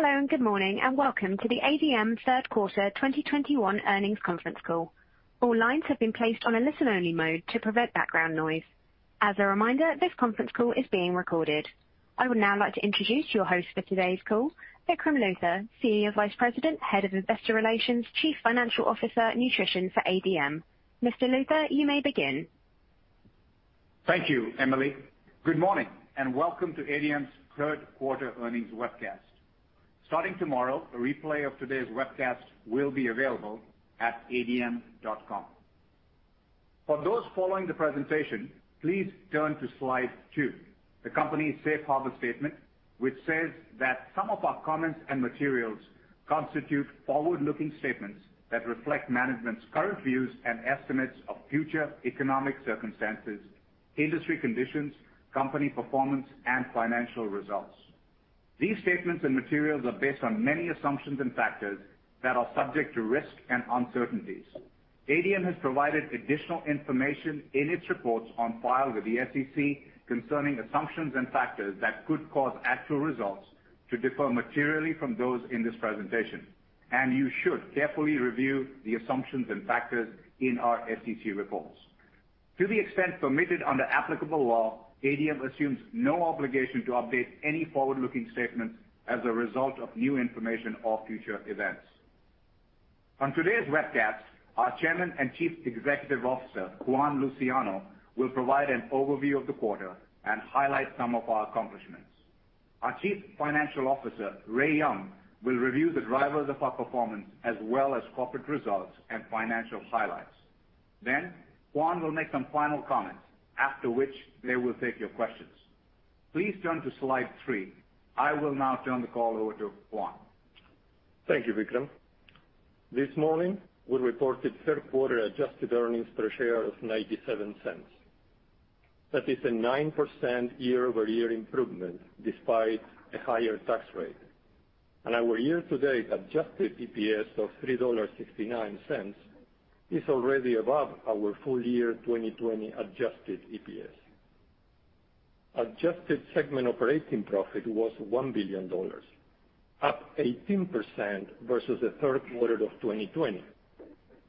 Hello, and good morning, and welcome to the ADM third quarter 2021 earnings conference call. All lines have been placed on a listen-only mode to prevent background noise. As a reminder, this conference call is being recorded. I would now like to introduce your host for today's call, Vikram Luthar, CEO, Vice President, Head of Investor Relations, Chief Financial Officer, Nutrition for ADM. Mr. Luthar, you may begin. Thank you, Emily. Good morning, and welcome to ADM's third quarter earnings webcast. Starting tomorrow, a replay of today's webcast will be available at adm.com. For those following the presentation, please turn to slide two, the company's safe harbor statement, which says that some of our comments and materials constitute forward-looking statements that reflect management's current views and estimates of future economic circumstances, industry conditions, company performance, and financial results. These statements and materials are based on many assumptions and factors that are subject to risk and uncertainties. ADM has provided additional information in its reports on file with the SEC concerning assumptions and factors that could cause actual results to differ materially from those in this presentation, and you should carefully review the assumptions and factors in our SEC reports. To the extent permitted under applicable law, ADM assumes no obligation to update any forward-looking statements as a result of new information or future events. On today's webcast, our Chairman and Chief Executive Officer, Juan Luciano, will provide an overview of the quarter and highlight some of our accomplishments. Our Chief Financial Officer, Ray Young, will review the drivers of our performance as well as corporate results and financial highlights. Juan will make some final comments, after which they will take your questions. Please turn to slide three. I will now turn the call over to Juan. Thank you, Vikram. This morning, we reported third quarter adjusted earnings per share of $0.97. That is a 9% year-over-year improvement despite a higher tax rate. Our year-to-date adjusted EPS of $3.69 is already above our full year 2020 adjusted EPS. Adjusted segment operating profit was $1 billion, up 18% versus the third quarter of 2020,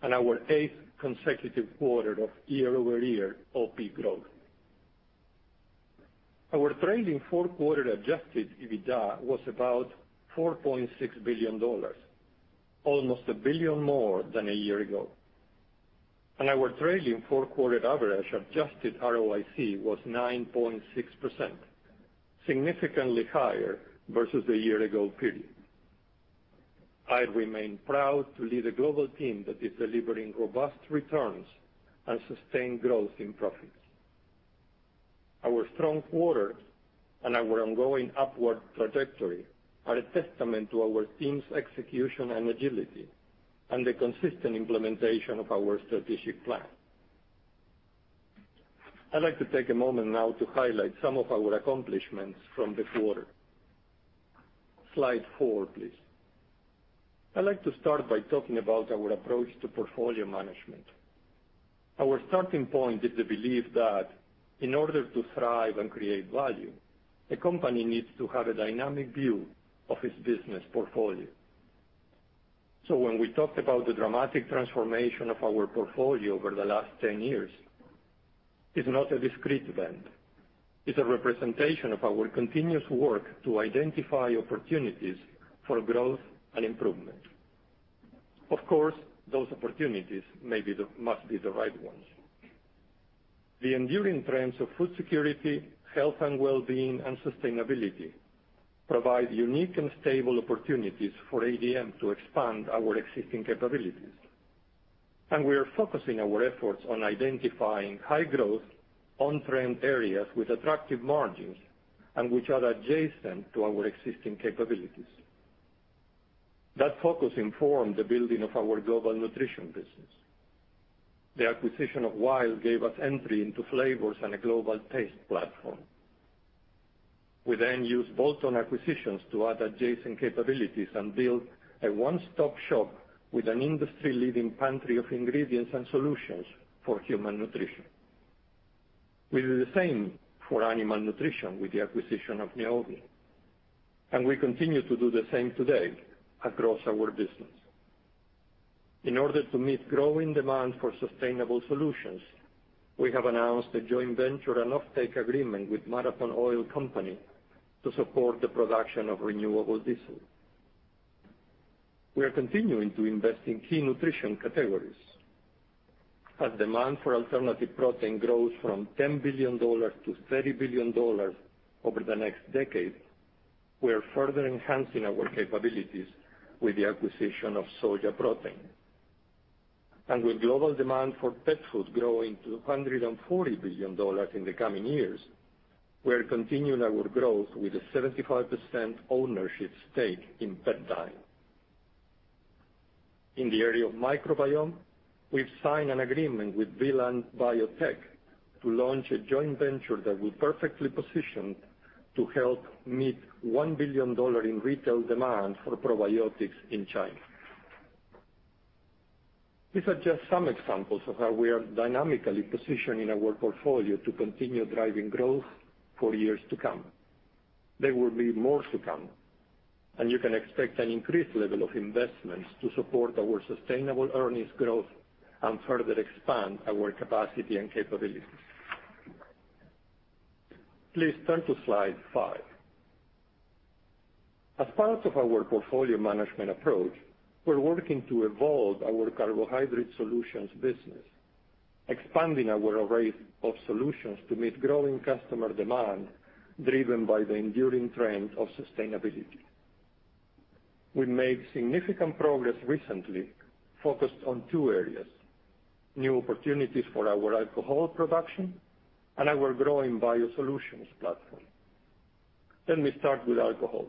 and our eighth consecutive quarter of year-over-year OP growth. Our trailing fourth quarter adjusted EBITDA was about $4.6 billion, almost $1 billion more than a year ago. Our trailing fourth quarter average adjusted ROIC was 9.6%, significantly higher versus the year ago period. I remain proud to lead a global team that is delivering robust returns and sustained growth in profits. Our strong quarter and our ongoing upward trajectory are a testament to our team's execution and agility and the consistent implementation of our strategic plan. I'd like to take a moment now to highlight some of our accomplishments from the quarter. Slide four, please. I'd like to start by talking about our approach to portfolio management. Our starting point is the belief that in order to thrive and create value, a company needs to have a dynamic view of its business portfolio. When we talked about the dramatic transformation of our portfolio over the last 10 years, it's not a discrete event. It's a representation of our continuous work to identify opportunities for growth and improvement. Of course, those opportunities must be the right ones. The enduring trends of food security, health and well-being, and sustainability provide unique and stable opportunities for ADM to expand our existing capabilities. We are focusing our efforts on identifying high-growth, on-trend areas with attractive margins and which are adjacent to our existing capabilities. That focus informed the building of our global nutrition business. The acquisition of WILD gave us entry into flavors and a global taste platform. We then used bolt-on acquisitions to add adjacent capabilities and build a one-stop shop with an industry-leading pantry of ingredients and solutions for Human Nutrition. We did the same for animal nutrition with the acquisition of Neovia, and we continue to do the same today across our business. In order to meet growing demand for sustainable solutions, we have announced a joint venture and offtake agreement with Marathon Oil company to support the production of renewable diesel. We are continuing to invest in key Nutrition categories. As demand for alternative protein grows from $10 billion to $30 billion over the next decade, we are further enhancing our capabilities with the acquisition of Sojaprotein. With global demand for pet food growing to $140 billion in the coming years, we are continuing our growth with a 75% ownership stake in PetDine. In the area of microbiome, we've signed an agreement with Vland Biotech to launch a joint venture that will perfectly position to help meet $1 billion in retail demand for probiotics in China. These are just some examples of how we are dynamically positioning our portfolio to continue driving growth for years to come. There will be more to come, and you can expect an increased level of investments to support our sustainable earnings growth and further expand our capacity and capabilities. Please turn to slide five. As part of our portfolio management approach, we're working to evolve our Carbohydrate Solutions business, expanding our array of solutions to meet growing customer demand, driven by the enduring trend of sustainability. We made significant progress recently focused on two areas, new opportunities for our alcohol production and our growing BioSolutions platform. Let me start with alcohol.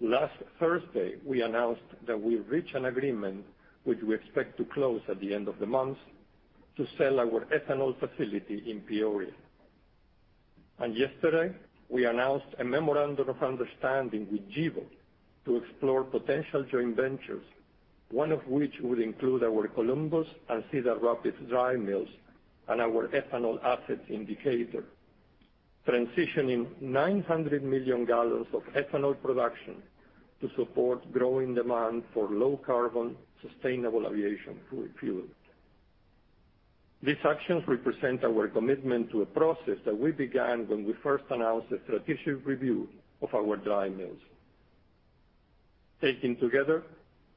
Last Thursday, we announced that we reached an agreement which we expect to close at the end of the month to sell our ethanol facility in Peoria. Yesterday, we announced a memorandum of understanding with Gevo to explore potential joint ventures, one of which would include our Columbus and Cedar Rapids dry mills and our ethanol assets in Decatur, transitioning 900 million gallons of ethanol production to support growing demand for low-carbon, sustainable aviation fuel. These actions represent our commitment to a process that we began when we first announced the strategic review of our dry mills. Taken together,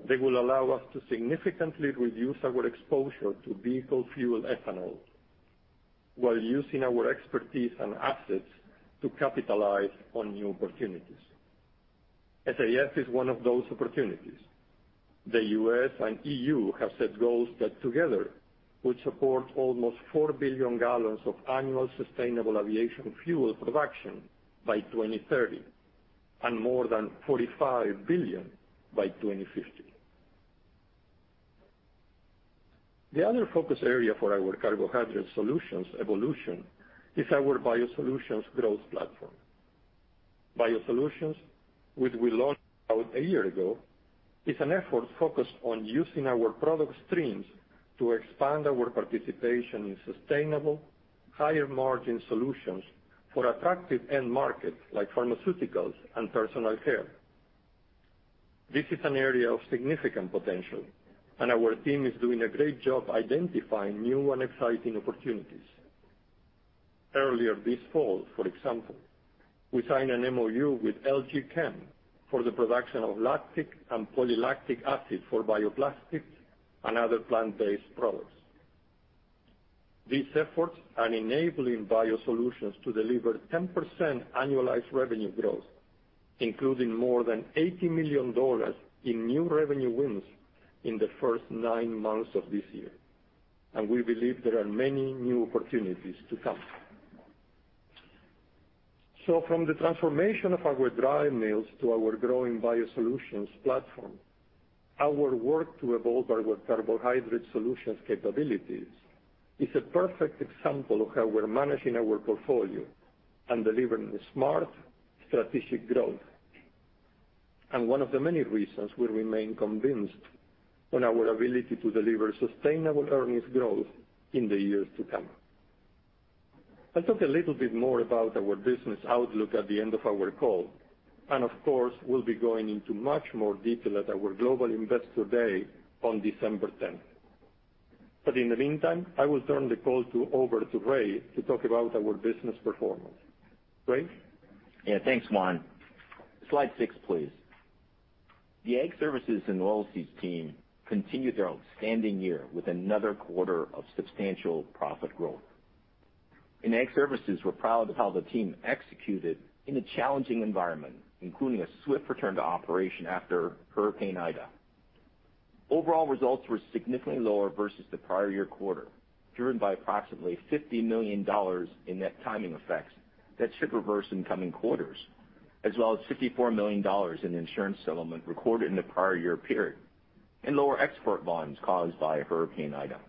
they will allow us to significantly reduce our exposure to vehicle fuel ethanol while using our expertise and assets to capitalize on new opportunities. SAF is one of those opportunities. The U.S. and EU have set goals that together would support almost 4 billion gallons of annual sustainable aviation fuel production by 2030, and more than 45 billion by 2050. The other focus area for our Carbohydrate Solutions evolution is our BioSolutions growth platform. BioSolutions, which we launched about a year ago, is an effort focused on using our product streams to expand our participation in sustainable higher-margin solutions for attractive end markets like pharmaceuticals and personal care. This is an area of significant potential, and our team is doing a great job identifying new and exciting opportunities. Earlier this fall, for example, we signed an MOU with LG Chem for the production of lactic and polylactic acid for bioplastics and other plant-based products. These efforts are enabling BioSolutions to deliver 10% annualized revenue growth, including more than $80 million in new revenue wins in the first nine months of this year. We believe there are many new opportunities to come. From the transformation of our dry mills to our growing BioSolutions platform, our work to evolve our Carbohydrate Solutions capabilities is a perfect example of how we're managing our portfolio and delivering smart strategic growth. One of the many reasons we remain convinced on our ability to deliver sustainable earnings growth in the years to come. I'll talk a little bit more about our business outlook at the end of our call, and of course, we'll be going into much more detail at our Global Investor Day on December tenth. In the meantime, I will turn the call over to Ray to talk about our business performance. Ray? Yeah, thanks, Juan. Slide six, please. The Ag Services and Oilseeds team continued their outstanding year with another quarter of substantial profit growth. In Ag Services, we're proud of how the team executed in a challenging environment, including a swift return to operation after Hurricane Ida. Overall results were significantly lower versus the prior year quarter, driven by approximately $50 million in net timing effects that should reverse in coming quarters, as well as $54 million in insurance settlement recorded in the prior year period, and lower export volumes caused by Hurricane Ida.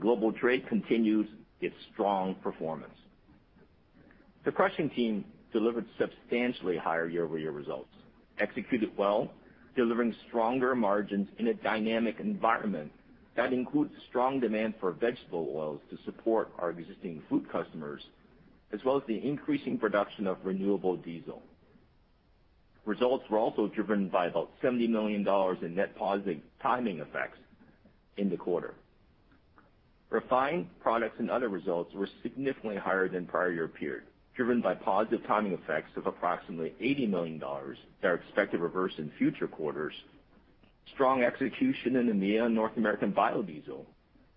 Global trade continues its strong performance. The crushing team delivered substantially higher year-over-year results, executed well, delivering stronger margins in a dynamic environment that includes strong demand for vegetable oils to support our existing food customers, as well as the increasing production of renewable diesel. Results were also driven by about $70 million in net positive timing effects in the quarter. Refined Products and Other results were significantly higher than prior-year period, driven by positive timing effects of approximately $80 million that are expected to reverse in future quarters. Strong execution in EMEA and North American biodiesel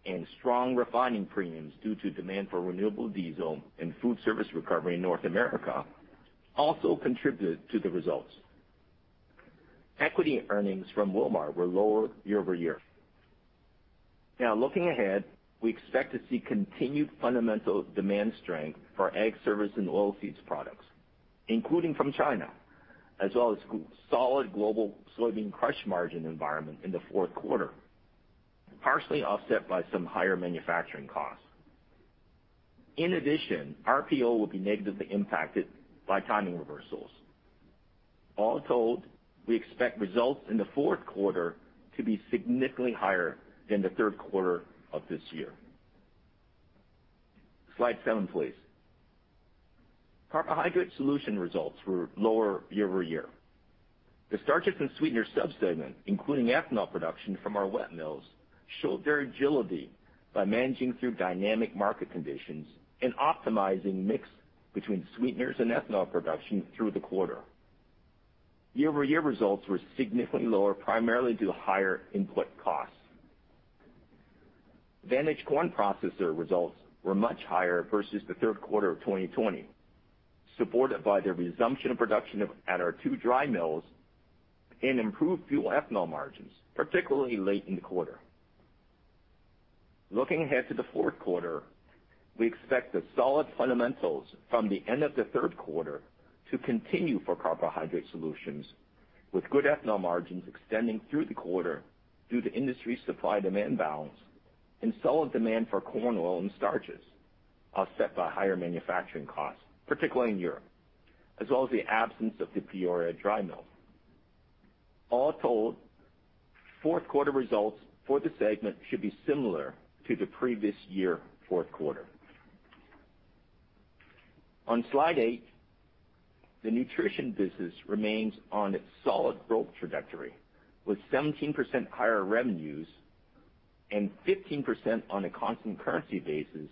and strong refining premiums due to demand for renewable diesel and food service recovery in North America also contributed to the results. Equity earnings from Wilmar were lower year-over-year. Now looking ahead, we expect to see continued fundamental demand strength for Ag Services and Oilseeds products, including from China, as well as solid global soybean crush margin environment in the fourth quarter, partially offset by some higher manufacturing costs. In addition, RPO will be negatively impacted by timing reversals. All told, we expect results in the fourth quarter to be significantly higher than the third quarter of this year. Slide seven, please. Carbohydrate Solutions results were lower year-over-year. The starches and sweeteners sub-segment, including ethanol production from our wet mills, showed their agility by managing through dynamic market conditions and optimizing mix between sweeteners and ethanol production through the quarter. Year-over-year results were significantly lower, primarily due to higher input costs. Vantage Corn Processors results were much higher versus the third quarter of 2020, supported by the resumption of production at our two dry mills and improved fuel ethanol margins, particularly late in the quarter. Looking ahead to the fourth quarter, we expect the solid fundamentals from the end of the third quarter to continue for Carbohydrate Solutions, with good ethanol margins extending through the quarter due to industry supply-demand balance and solid demand for corn oil and starches, offset by higher manufacturing costs, particularly in Europe, as well as the absence of the Peoria dry mill. All told, fourth quarter results for the segment should be similar to the previous year fourth quarter. On slide eight, the Nutrition business remains on its solid growth trajectory, with 17% higher revenues and 15% on a constant currency basis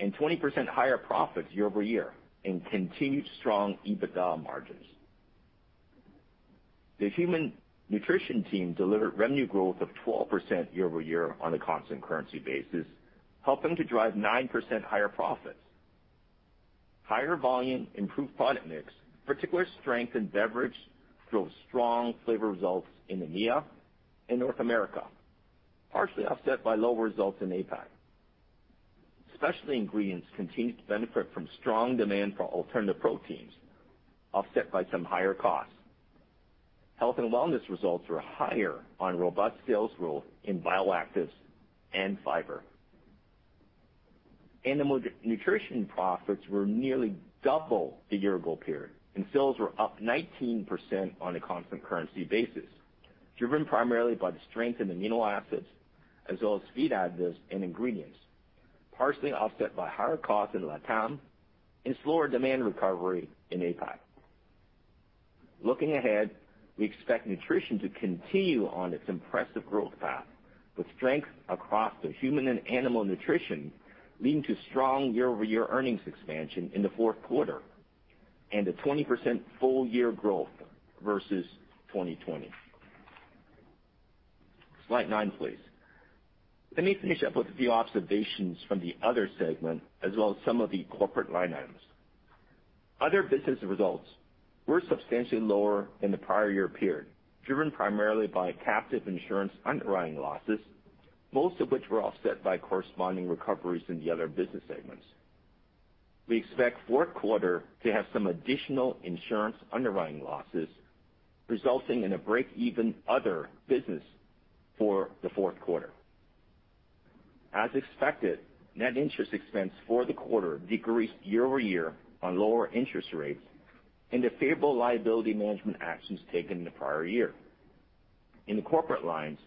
and 20% higher profits year-over-year and continued strong EBITDA margins. The Human Nutrition team delivered revenue growth of 12% year-over-year on a constant currency basis, helping to drive 9% higher profits. Higher volume, improved product mix, particular strength in beverage, drove strong flavor results in EMEA and North America, partially offset by lower results in APAC. Specialty ingredients continued to benefit from strong demand for alternative proteins, offset by some higher costs. Health and wellness results were higher on robust sales growth in bioactives and fiber. Animal Nutrition profits were nearly double the year-ago period, and sales were up 19% on a constant currency basis, driven primarily by the strength in amino acids as well as feed additives and ingredients, partially offset by higher costs in LATAM and slower demand recovery in APAC. Looking ahead, we expect Nutrition to continue on its impressive growth path, with strength across the human and animal nutrition leading to strong year-over-year earnings expansion in the fourth quarter and a 20% full-year growth versus 2020. Slide nine, please. Let me finish up with a few observations from the other segment as well as some of the corporate line items. Other business results were substantially lower than the prior year period, driven primarily by captive insurance underwriting losses, most of which were offset by corresponding recoveries in the other business segments. We expect fourth quarter to have some additional insurance underwriting losses, resulting in a break-even other business for the fourth quarter. As expected, net interest expense for the quarter decreased year-over-year on lower interest rates and the favorable liability management actions taken in the prior year. In the corporate lines,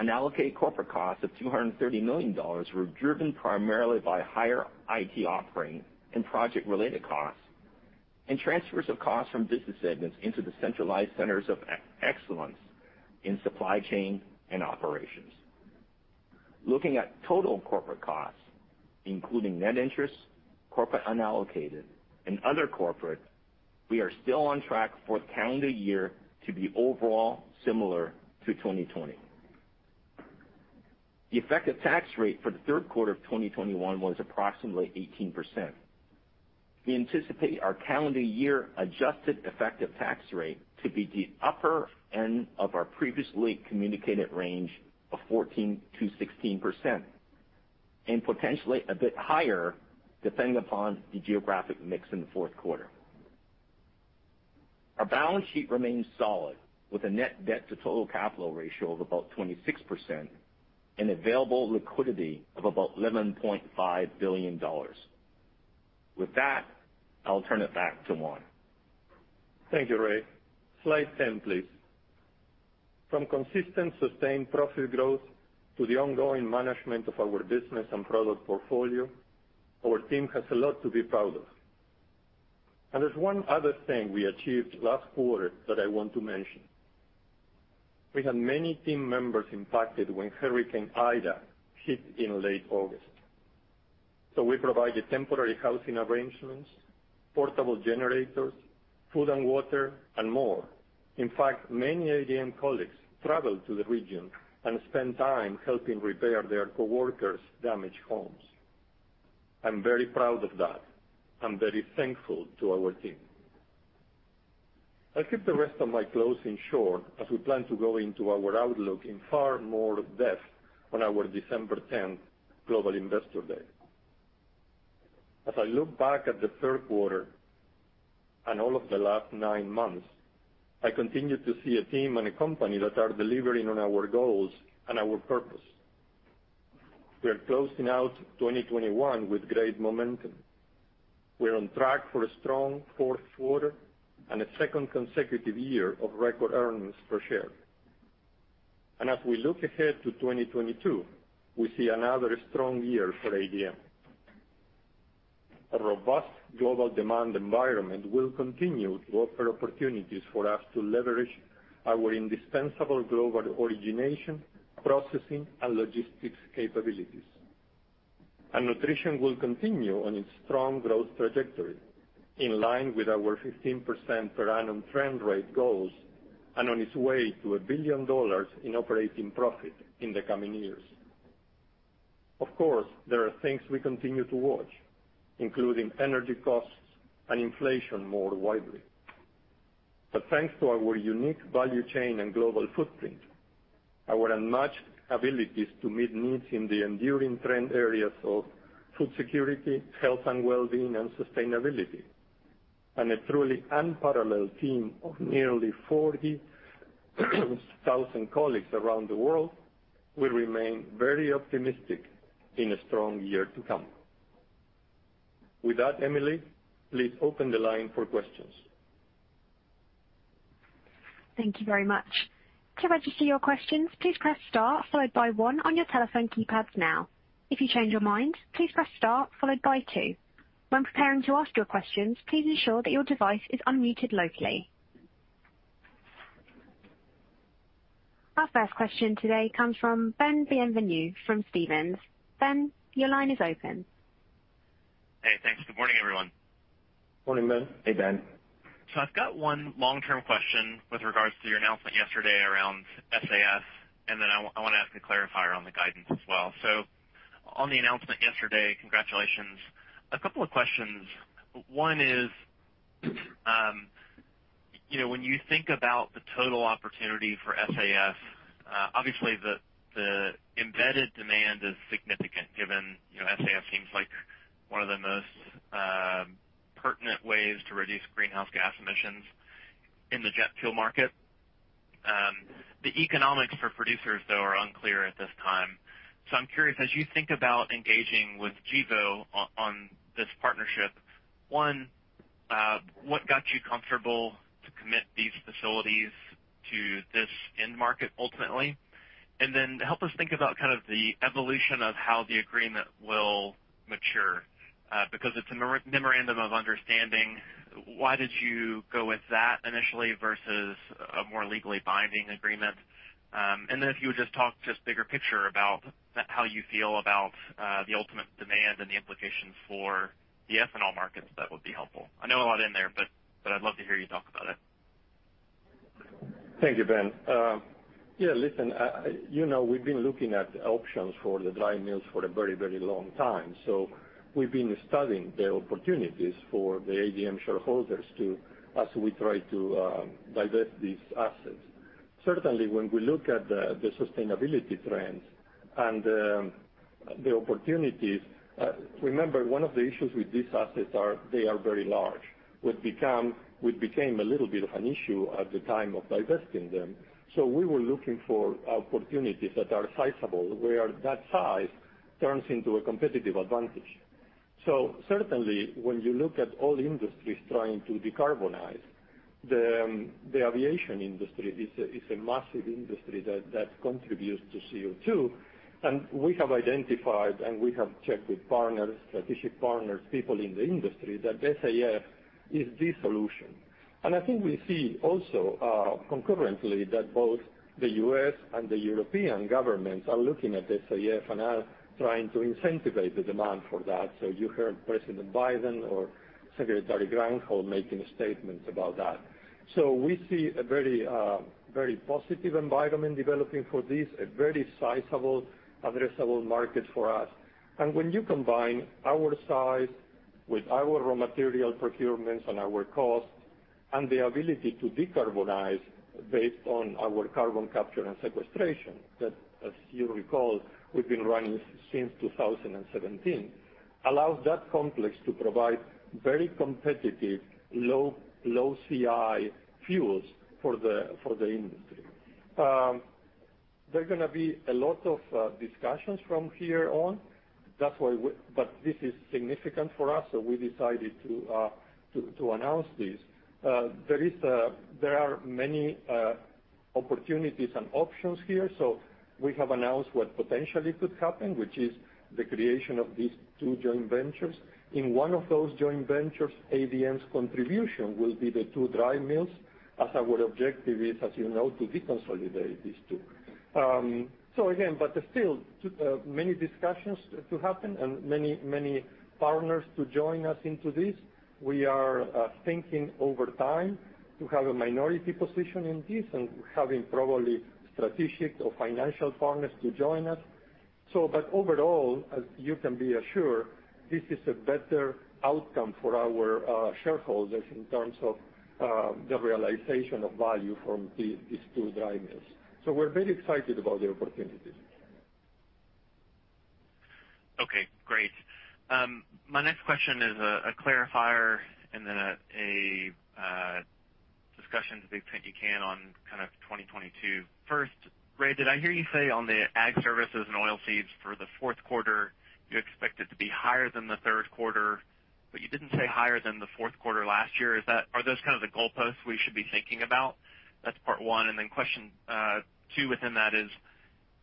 unallocated corporate costs of $230 million were driven primarily by higher IT operating and project-related costs and transfers of costs from business segments into the centralized centers of excellence in supply chain and operations. Looking at total corporate costs, including net interest, corporate unallocated, and other corporate, we are still on track for calendar year to be overall similar to 2020. The effective tax rate for the third quarter of 2021 was approximately 18%. We anticipate our calendar year adjusted effective tax rate to be the upper end of our previously communicated range of 14%-16% and potentially a bit higher, depending upon the geographic mix in the fourth quarter. Our balance sheet remains solid, with a net debt to total capital ratio of about 26% and available liquidity of about $11.5 billion. With that, I'll turn it back to Juan. Thank you, Ray. Slide 10, please. From consistent sustained profit growth to the ongoing management of our business and product portfolio, our team has a lot to be proud of. There's one other thing we achieved last quarter that I want to mention. We had many team members impacted when Hurricane Ida hit in late August. We provided temporary housing arrangements, portable generators, food and water, and more. In fact, many ADM colleagues traveled to the region and spent time helping repair their coworkers' damaged homes. I'm very proud of that. I'm very thankful to our team. I'll keep the rest of my closing short as we plan to go into our outlook in far more depth on our December tenth Global Investor Day. As I look back at the third quarter and all of the last nine months, I continue to see a team and a company that are delivering on our goals and our purpose. We are closing out 2021 with great momentum. We're on track for a strong fourth quarter and a second consecutive year of record earnings per share. As we look ahead to 2022, we see another strong year for ADM. A robust global demand environment will continue to offer opportunities for us to leverage our indispensable global origination, processing, and logistics capabilities. Nutrition will continue on its strong growth trajectory in line with our 15% per annum trend rate goals and on its way to $1 billion in operating profit in the coming years. Of course, there are things we continue to watch, including energy costs and inflation more widely. Thanks to our unique value chain and global footprint, our unmatched abilities to meet needs in the enduring trend areas of food security, health and well-being, and sustainability, and a truly unparalleled team of nearly 40,000 colleagues around the world, we remain very optimistic in a strong year to come. With that, Emily, please open the line for questions. Thank you very much. To register your questions, please press star followed by one on your telephone keypad now. If you change your mind, please press star followed by two. When preparing to ask your questions, please ensure that your device is unmuted locally. Our first question today comes from Ben Bienvenu from Stephens. Ben, your line is open. Hey, thanks. Good morning, everyone. Morning, Ben. Hey, Ben. I've got one long-term question with regards to your announcement yesterday around SAF, and then I wanna ask a clarifier on the guidance as well. On the announcement yesterday, congratulations. A couple of questions. One is, you know, when you think about the total opportunity for SAF, obviously, the embedded demand is significant given, you know, SAF seems like one of the most pertinent ways to reduce greenhouse gas emissions in the jet fuel market. The economics for producers though are unclear at this time. I'm curious, as you think about engaging with Gevo on this partnership, one, what got you comfortable to commit these facilities to this end market ultimately? And then help us think about kind of the evolution of how the agreement will mature. Because it's a memorandum of understanding, why did you go with that initially versus a more legally binding agreement? If you would just talk bigger picture about how you feel about the ultimate demand and the implications for the ethanol markets, that would be helpful. I know a lot in there, but I'd love to hear you talk about it. Thank you, Ben. Yeah, listen, you know, we've been looking at options for the dry mills for a very long time. We've been studying the opportunities for the ADM shareholders to as we try to divest these assets. Certainly, when we look at the sustainability trends and the opportunities, remember, one of the issues with these assets are they are very large, which became a little bit of an issue at the time of divesting them. We were looking for opportunities that are sizable, where that size turns into a competitive advantage. Certainly, when you look at all industries trying to decarbonize, the aviation industry is a massive industry that contributes to CO2. We have identified, and we have checked with partners, strategic partners, people in the industry that SAF is the solution. I think we see also concurrently that both the U.S. and the European governments are looking at SAF and are trying to incentivize the demand for that. You heard President Biden or Secretary Granholm making statements about that. We see a very very positive environment developing for this, a very sizable addressable market for us. When you combine our size with our raw material procurements and our cost and the ability to decarbonize based on our carbon capture and sequestration, that, as you recall, we've been running since 2017, allows that complex to provide very competitive low CI fuels for the industry. There are gonna be a lot of discussions from here on. But this is significant for us, so we decided to announce this. There are many opportunities and options here. We have announced what potentially could happen, which is the creation of these two joint ventures. In one of those joint ventures, ADM's contribution will be the two dry mills, as our objective is, as you know, to deconsolidate these two. Many discussions to happen and many partners to join us into this. We are thinking over time to have a minority position in this and having probably strategic or financial partners to join us. Overall, as you can be assured, this is a better outcome for our shareholders in terms of the realization of value from these two dry mills. We're very excited about the opportunities. Great. My next question is a clarifier and then a discussion to the extent you can on kind of 2022. First, Ray, did I hear you say on the Ag Services and Oilseeds for the fourth quarter, you expect it to be higher than the third quarter, but you didn't say higher than the fourth quarter last year. Are those kind of the goalposts we should be thinking about? That's part one, and then question two within that is,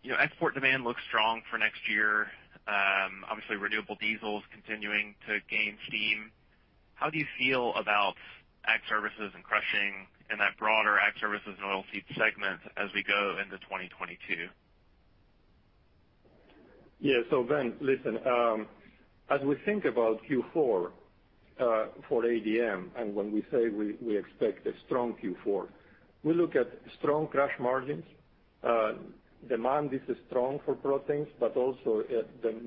you know, export demand looks strong for next year. Obviously renewable diesel is continuing to gain steam. How do you feel about Ag Services and crushing and that broader Ag Services and Oilseeds segment as we go into 2022? Yeah. Ben, listen, as we think about Q4 for ADM, and when we say we expect a strong Q4, we look at strong crush margins. Demand is strong for proteins, but also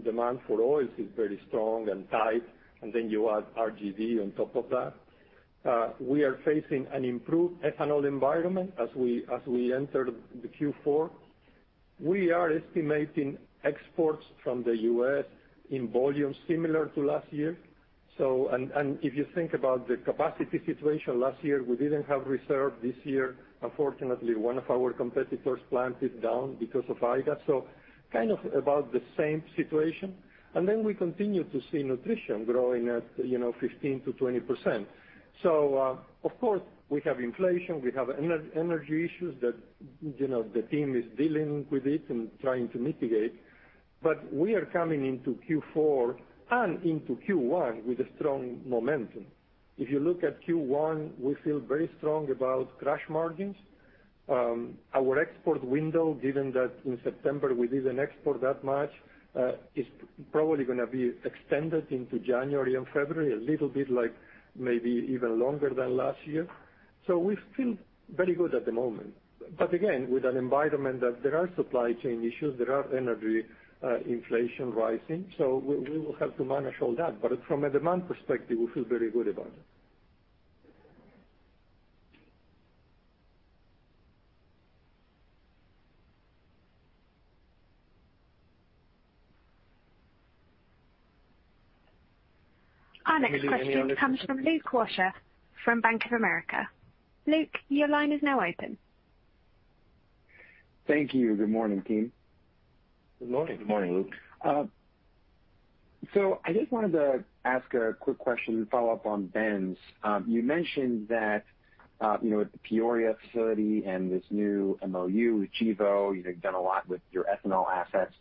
demand for oils is very strong and tight, and then you add RD on top of that. We are facing an improved ethanol environment as we enter the Q4. We are estimating exports from the U.S. in volumes similar to last year. If you think about the capacity situation last year, we didn't have reserve. This year, unfortunately, one of our competitors plant is down because of Ida. Kind of about the same situation. We continue to see Nutrition growing at, you know, 15%-20%. Of course, we have inflation, we have energy issues that, you know, the team is dealing with it and trying to mitigate. We are coming into Q4 and into Q1 with a strong momentum. If you look at Q1, we feel very strong about crush margins. Our export window, given that in September we didn't export that much, is probably gonna be extended into January and February, a little bit like maybe even longer than last year. We feel very good at the moment. Again, with an environment that there are supply chain issues, there are energy, inflation rising, so we will have to manage all that. From a demand perspective, we feel very good about it. Our next question comes from Luke Washer from Bank of America. Luke, your line is now open. Thank you. Good morning, team. Good morning. Good morning, Luke. I just wanted to ask a quick question to follow up on Ben's. You mentioned that, you know, at the Peoria facility and this new MOU with Gevo, you've done a lot with your ethanol assets.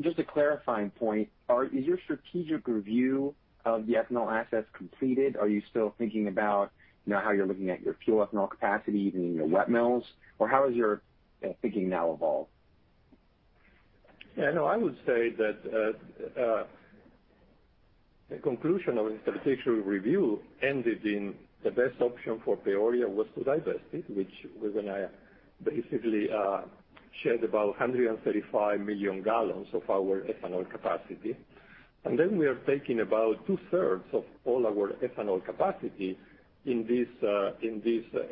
Just a clarifying point, is your strategic review of the ethanol assets completed? Are you still thinking about, you know, how you're looking at your fuel ethanol capacity even in your wet mills? Or how has your thinking now evolved? Yeah, no. I would say that the conclusion of the strategic review ended in the best option for Peoria was to divest it, which we're gonna basically shed about 135 million gallons of our ethanol capacity. Then we are taking about two-thirds of all our ethanol capacity in this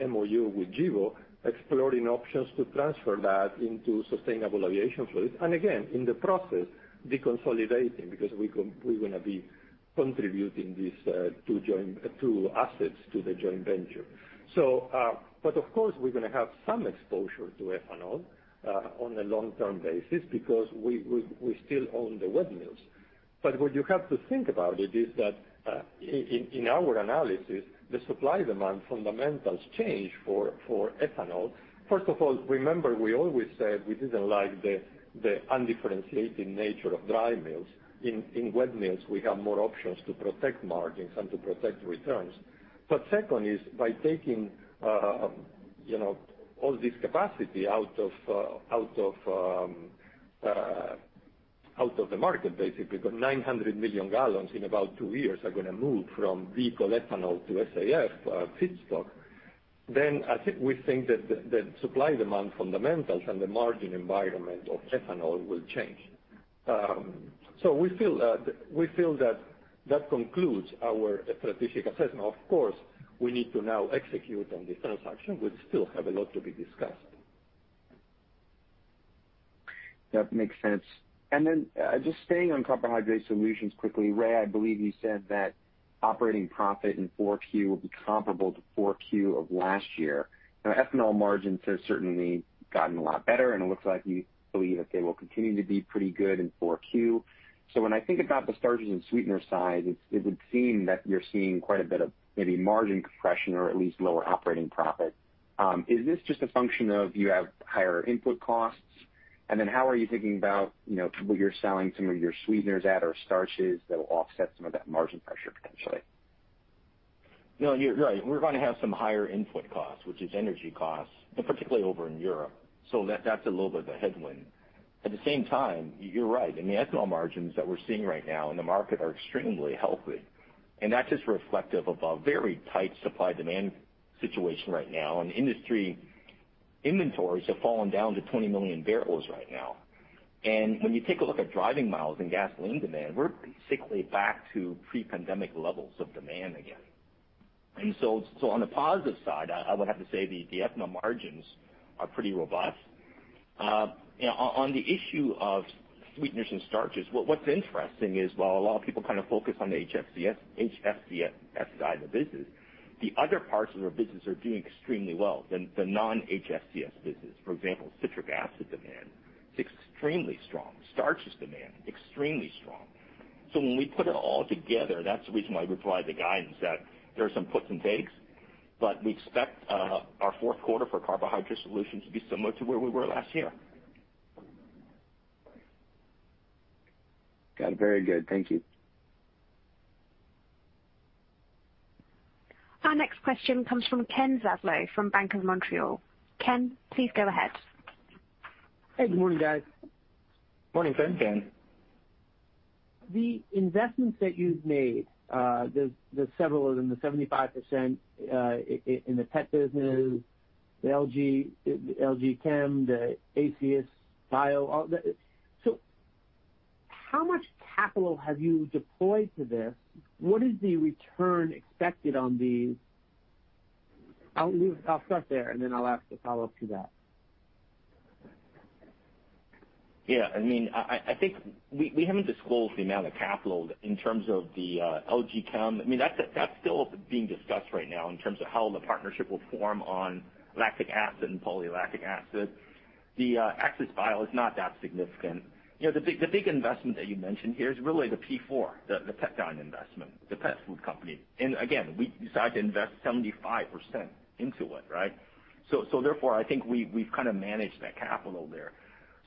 MOU with Gevo, exploring options to transfer that into sustainable aviation fuel. Again, in the process, deconsolidating because we're gonna be contributing these two assets to the joint venture. But of course, we're gonna have some exposure to ethanol on a long-term basis because we still own the wet mills. What you have to think about it is that, in our analysis, the supply-demand fundamentals change for ethanol. First of all, remember we always said we didn't like the undifferentiated nature of dry mills. In wet mills, we have more options to protect margins and to protect returns. Second is by taking you know all this capacity out of the market, basically, 900 million gallons in about two years are gonna move from vehicle ethanol to SAF feedstock. Then we think that the supply-demand fundamentals and the margin environment of ethanol will change. We feel that concludes our strategic assessment. Of course, we need to now execute on the transaction. We still have a lot to be discussed. That makes sense. Just staying on Carbohydrate Solutions quickly. Ray, I believe you said that operating profit in 4Q will be comparable to 4Q of last year. Now, ethanol margins have certainly gotten a lot better, and it looks like you believe that they will continue to be pretty good in 4Q. When I think about the starches and sweetener side, it's, it would seem that you're seeing quite a bit of maybe margin compression or at least lower operating profit. Is this just a function of you have higher input costs? How are you thinking about, you know, what you're selling some of your sweeteners at, or starches that will offset some of that margin pressure potentially? No, you're right. We're gonna have some higher input costs, which is energy costs, and particularly over in Europe. That's a little bit of a headwind. At the same time, you're right. I mean, the ethanol margins that we're seeing right now in the market are extremely healthy, and that's just reflective of a very tight supply-demand situation right now. Industry inventories have fallen down to 20 million barrels right now. When you take a look at driving miles and gasoline demand, we're basically back to pre-pandemic levels of demand again. On the positive side, I would have to say the ethanol margins are pretty robust. You know, on the issue of sweeteners and starches, what's interesting is while a lot of people kind of focus on the HFCS side of the business, the other parts of our business are doing extremely well. The non-HFCS business, for example, citric acid demand is extremely strong. Starches demand, extremely strong. When we put it all together, that's the reason why we provide the guidance that there are some puts and takes, but we expect our fourth quarter for Carbohydrate Solutions to be similar to where we were last year. Got it. Very good. Thank you. Our next question comes from Ken Zaslow from Bank of Montreal. Ken, please go ahead. Hey, good morning, guys. Morning, Ken. Ken. The investments that you've made, there's several of them, the 75% in the pet business, the LG Chem, the Acies Bio. So how much capital have you deployed to this? What is the return expected on these? I'll start there and then I'll ask a follow-up to that. I mean, I think we haven't disclosed the amount of capital in terms of the LG Chem. I mean, that's still being discussed right now in terms of how the partnership will form on lactic acid and polylactic acid. The Acies Bio is not that significant. You know, the big investment that you mentioned here is really the P4, the PetDine investment, the pet food company. And again, we decided to invest 75% into it, right? So therefore, I think we've kind of managed that capital there.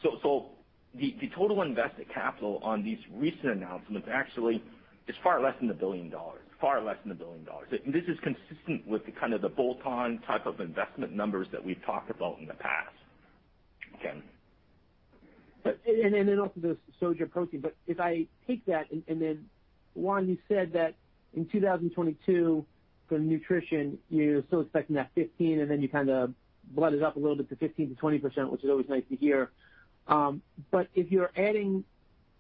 So the total invested capital on these recent announcements actually is far less than $1 billion. And this is consistent with the kind of bolt-on type of investment numbers that we've talked about in the past, Ken. Then also the Sojaprotein, but if I take that and then, Juan, you said that in 2022, for Nutrition, you're still expecting that 15, and then you kind of bump it up a little bit to 15%-20%, which is always nice to hear. But if you're adding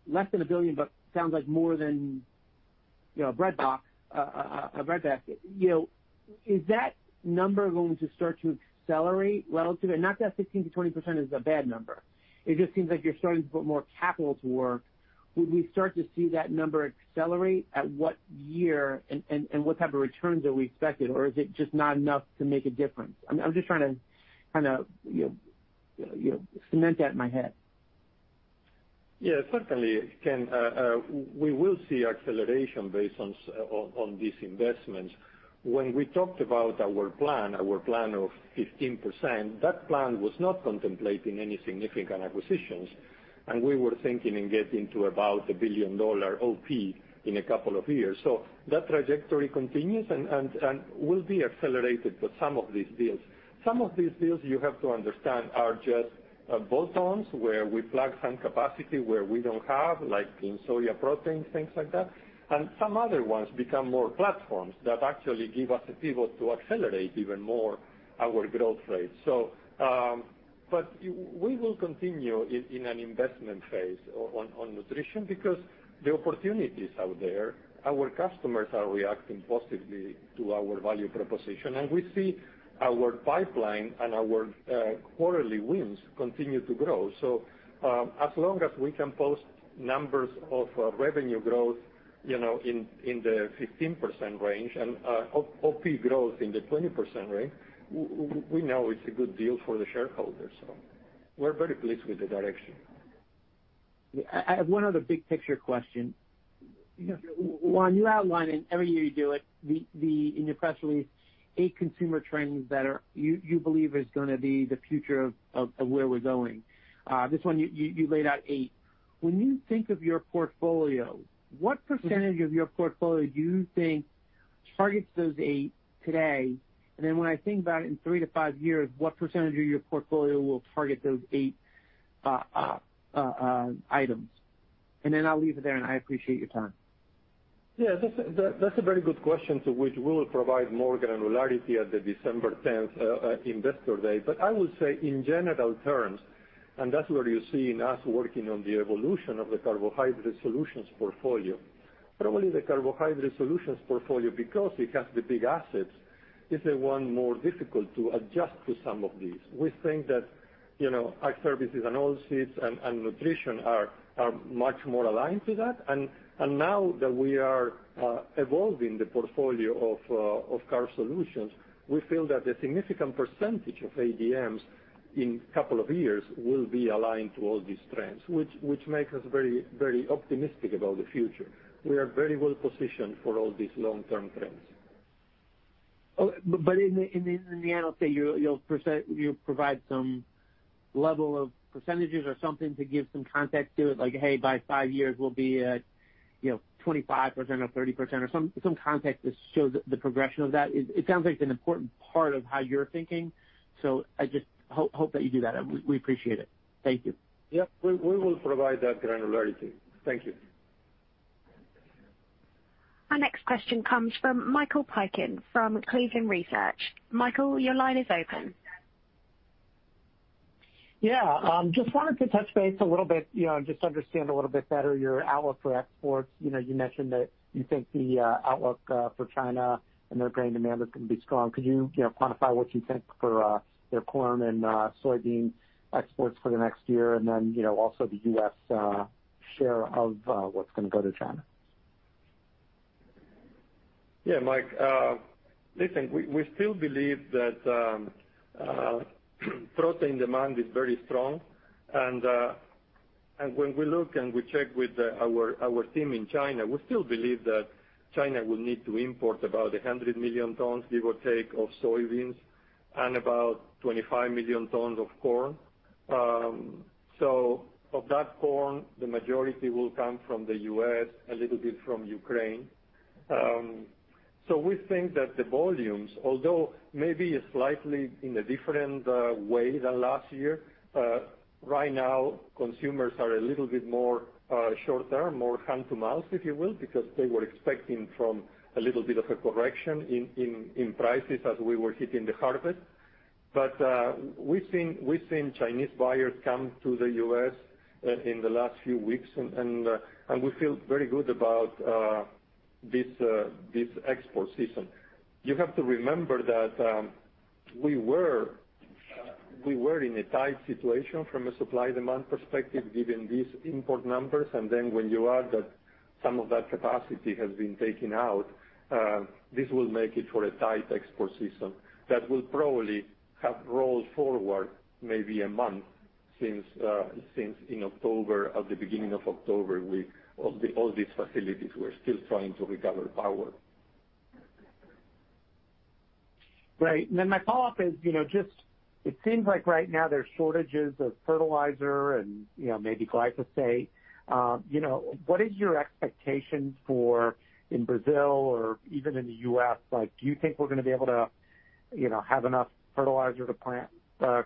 less than $1 billion, but sounds like more than, you know, a breadbox, a breadbasket, you know, is that number going to start to accelerate relative to? Not that 16%-20% is a bad number. It just seems like you're starting to put more capital to work. Would we start to see that number accelerate? At what year and what type of returns are we expecting? Or is it just not enough to make a difference? I'm just trying to kind of, you know, cement that in my head. Yeah, certainly, Ken, we will see acceleration based on these investments. When we talked about our plan, our plan of 15%, that plan was not contemplating any significant acquisitions, and we were thinking and getting to about a billion-dollar OP in a couple of years. That trajectory continues and will be accelerated for some of these deals. Some of these deals, you have to understand, are just bolt-ons, where we plug some capacity where we don't have, like in soy proteins, things like that. Some other ones become more platforms that actually give us a pivot to accelerate even more our growth rate. We will continue in an investment phase on Nutrition because the opportunities out there, our customers are reacting positively to our value proposition. We see our pipeline and our quarterly wins continue to grow. As long as we can post numbers of revenue growth, you know, in the 15% range and OP growth in the 20% range, we know it's a good deal for the shareholders. We're very pleased with the direction. I have one other big picture question. Yeah. Juan, you outline, and every year you do it, the in your press release, eight consumer trends that you believe is gonna be the future of where we're going. This one, you laid out eight. When you think of your portfolio, what percentage of your portfolio do you think targets those eight today? When I think about in three to five years, what percentage of your portfolio will target those eight items? I'll leave it there, and I appreciate your time. Yeah, that's a very good question to which we'll provide more granularity at the December 10 Investor Day. I would say in general terms, and that's where you're seeing us working on the evolution of the Carbohydrate Solutions portfolio. Probably the Carbohydrate Solutions portfolio, because it has the big assets, is the one more difficult to adjust to some of these. We think that, you know, our Services and Oilseeds and Nutrition are much more aligned to that. Now that we are evolving the portfolio of carb solutions, we feel that a significant percentage of ADM's in a couple of years will be aligned to all these trends, which make us very, very optimistic about the future. We are very well positioned for all these long-term trends. In the Analyst Day, you'll provide some level of percentages or something to give some context to it like, "Hey, by five years, we'll be at, you know, 25% or 30%," or some context to show the progression of that. It sounds like an important part of how you're thinking. I just hope that you do that. We appreciate it. Thank you. Yeah. We will provide that granularity. Thank you. Our next question comes from Michael Piken from Cleveland Research. Michael, your line is open. Yeah. Just wanted to touch base a little bit, you know, just understand a little bit better your outlook for exports. You know, you mentioned that you think the outlook for China and their grain demand is gonna be strong. Could you know, quantify what you think for their corn and soybean exports for the next year and then, you know, also the U.S. share of what's gonna go to China? Yeah, Mike. Listen, we still believe that protein demand is very strong. When we look and check with our team in China, we still believe that China will need to import about 100 million tons, give or take, of soybeans and about 25 million tons of corn. Of that corn, the majority will come from the U.S., a little bit from Ukraine. We think that the volumes, although maybe slightly in a different way than last year, right now consumers are a little bit more shorter, more hand-to-mouth, if you will, because they were expecting from a little bit of a correction in prices as we were hitting the harvest. We've seen Chinese buyers come to the U.S. in the last few weeks and we feel very good about this export season. You have to remember that we were in a tight situation from a supply-demand perspective given these import numbers. Then when you add that some of that capacity has been taken out, this will make for a tight export season that will probably have rolled forward maybe a month since in October. At the beginning of October, all these facilities were still trying to recover power. Right. My follow-up is, you know, just it seems like right now there's shortages of fertilizer and, you know, maybe glyphosate. You know, what is your expectation for in Brazil or even in the U.S., like, do you think we're gonna be able to, you know, have enough fertilizer to plant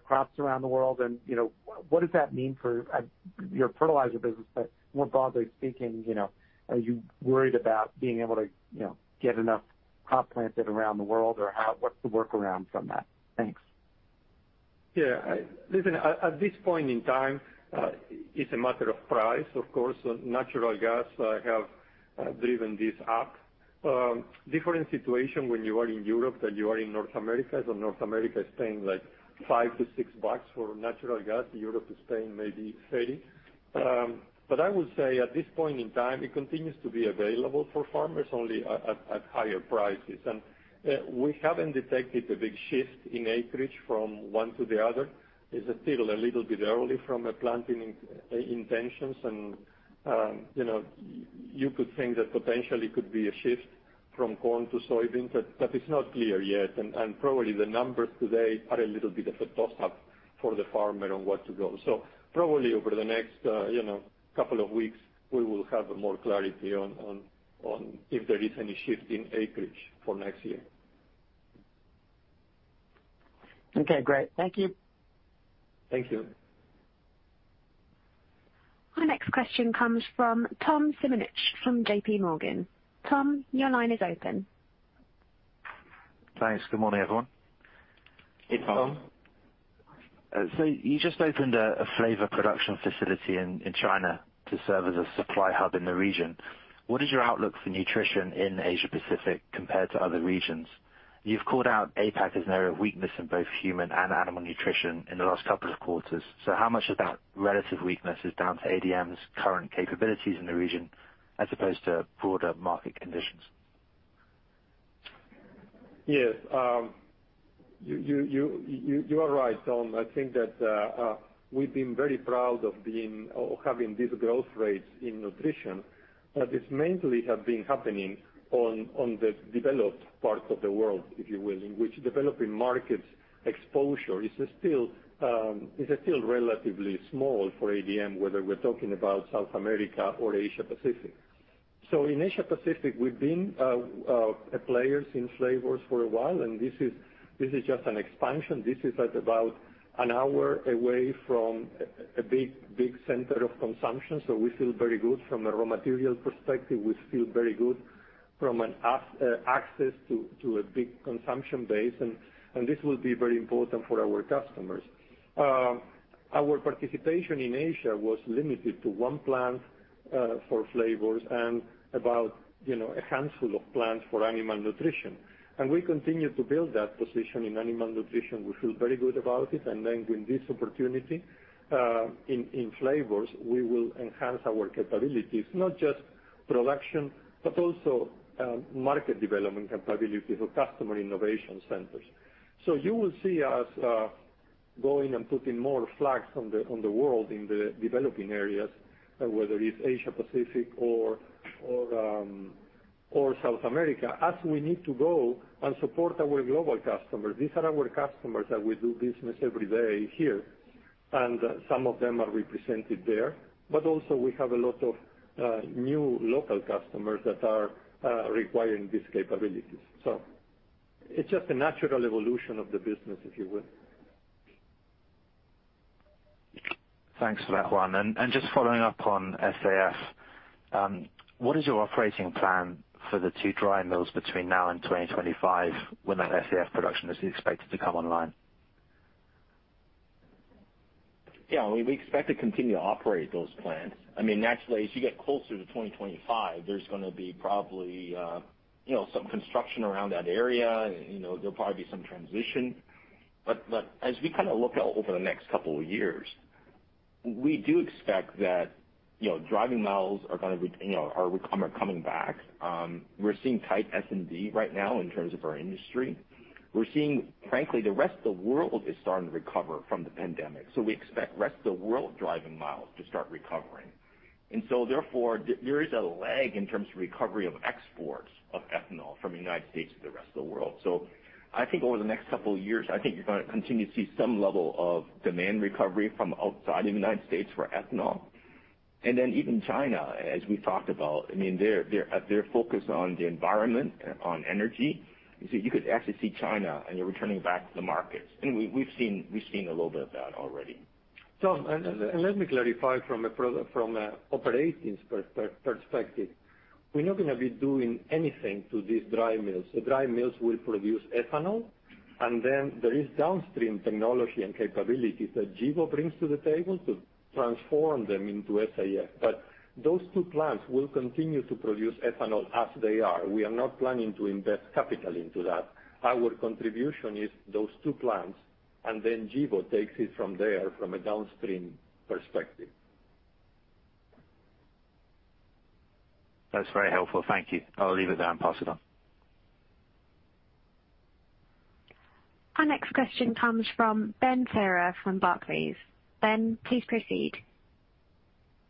crops around the world? You know, what does that mean for your fertilizer business? But more broadly speaking, you know, are you worried about being able to, you know, get enough crops planted around the world or what's the workaround from that? Thanks. Yeah. Listen, at this point in time, it's a matter of price, of course. Natural gas have driven this up. Different situation when you are in Europe than you are in North America. North America is paying like $5-$6 for natural gas. Europe is paying maybe $30. But I would say at this point in time it continues to be available for farmers only at higher prices. We haven't detected a big shift in acreage from one to the other. It's still a little bit early for planting intentions. You know, you could think that potentially could be a shift from corn to soybeans, but that is not clear yet. Probably the numbers today are a little bit of a toss-up for the farmer on what to grow. Probably over the next, you know, couple of weeks we will have more clarity on if there is any shift in acreage for next year. Okay, great. Thank you. Thank you. Our next question comes from Tom Simonitsch from JPMorgan. Tom, your line is open. Thanks. Good morning, everyone. Hey, Tom. You just opened a flavor production facility in China to serve as a supply hub in the region. What is your outlook for nutrition in Asia Pacific compared to other regions? You've called out APAC as an area of weakness in both human and animal nutrition in the last couple of quarters. How much of that relative weakness is down to ADM's current capabilities in the region as opposed to broader market conditions? Yes. You are right, Tom. I think that we've been very proud of being or having these growth rates in Nutrition, but it's mainly have been happening on the developed parts of the world, if you will, in which developing markets exposure is still relatively small for ADM, whether we're talking about South America or Asia Pacific. In Asia Pacific, we've been players in flavors for a while, and this is just an expansion. This is at about an hour away from a big center of consumption. We feel very good from a raw material perspective. We feel very good from an access to a big consumption base. This will be very important for our customers. Our participation in Asia was limited to one plant for flavors and about, you know, a handful of plants for animal nutrition. We continue to build that position in animal nutrition. We feel very good about it. With this opportunity in flavors, we will enhance our capabilities, not just production, but also market development capabilities with customer innovation centers. You will see us going and putting more flags on the world in the developing areas, whether it's Asia Pacific or South America, as we need to go and support our global customers. These are our customers that we do business every day here, and some of them are represented there. We have a lot of new local customers that are requiring these capabilities. It's just a natural evolution of the business, if you will. Thanks for that, Juan. Just following up on SAF, what is your operating plan for the two dry mills between now and 2025 when that SAF production is expected to come online? Yeah, we expect to continue to operate those plants. I mean, naturally, as you get closer to 2025, there's gonna be probably some construction around that area. You know, there'll probably be some transition. But as we kind of look out over the next couple of years, we do expect that, you know, dry mills are gonna be, you know, are coming back. We're seeing tight S&D right now in terms of our industry. We're seeing, frankly, the rest of the world is starting to recover from the pandemic. We expect rest of the world dry mills to start recovering. Therefore, there is a lag in terms of recovery of exports of ethanol from the United States to the rest of the world. I think over the next couple of years, I think you're gonna continue to see some level of demand recovery from outside of the United States for ethanol. Then even China, as we talked about, I mean, they're focused on the environment, on energy. You could actually see China, you know, returning back to the markets. We've seen a little bit of that already. Let me clarify from an operations perspective. We're not gonna be doing anything to these dry mills. The dry mills will produce ethanol, and then there is downstream technology and capabilities that Gevo brings to the table to transform them into SAF. Those two plants will continue to produce ethanol as they are. We are not planning to invest capital into that. Our contribution is those two plants, and then Gevo takes it from there from a downstream perspective. That's very helpful. Thank you. I'll leave it there and pass it on. Our next question comes from Ben Theurer from Barclays. Ben, please proceed.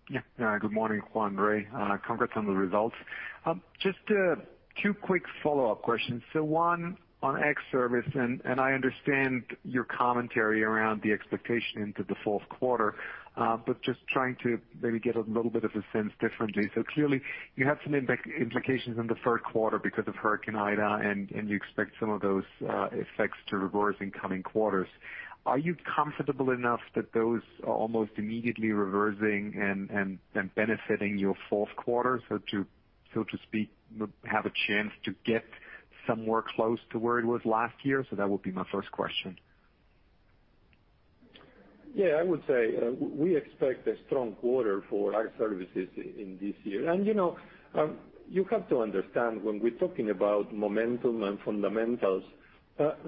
Yeah. Good morning, Juan, Ray. Congrats on the results. Just two quick follow-up questions. One on Ag Services, and I understand your commentary around the expectation into the fourth quarter, but just trying to maybe get a little bit of a sense differently. Clearly you had some implications in the third quarter because of Hurricane Ida and you expect some of those effects to reverse in coming quarters. Are you comfortable enough that those are almost immediately reversing and benefiting your fourth quarter, so to speak, have a chance to get somewhere close to where it was last year? That would be my first question. Yeah, I would say, we expect a strong quarter for our services in this year. You know, you have to understand, when we're talking about momentum and fundamentals,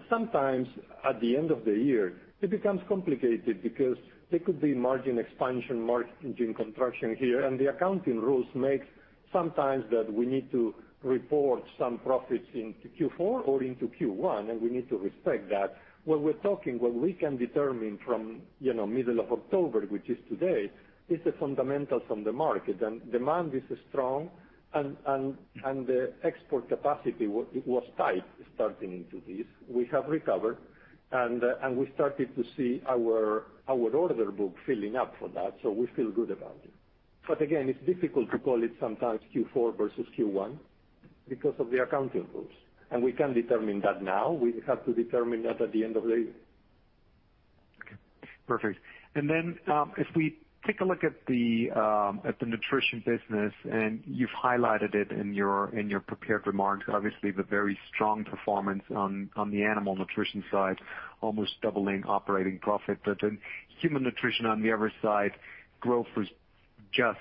sometimes at the end of the year, it becomes complicated because there could be margin expansion, margin contraction here, and the accounting rules make sometimes that we need to report some profits into Q4 or into Q1, and we need to respect that. When we're talking, what we can determine from, you know, middle of October, which is today, is the fundamentals on the market, and demand is strong and the export capacity was tight starting into this. We have recovered and we started to see our order book filling up for that, so we feel good about it. Again, it's difficult to call it sometimes Q4 versus Q1 because of the accounting rules. We can't determine that now. We have to determine that at the end of the year. Okay. Perfect. Then, if we take a look at the Nutrition business, and you've highlighted it in your prepared remarks, obviously the very strong performance on the animal nutrition side, almost doubling operating profit. Then Human Nutrition on the other side, growth was just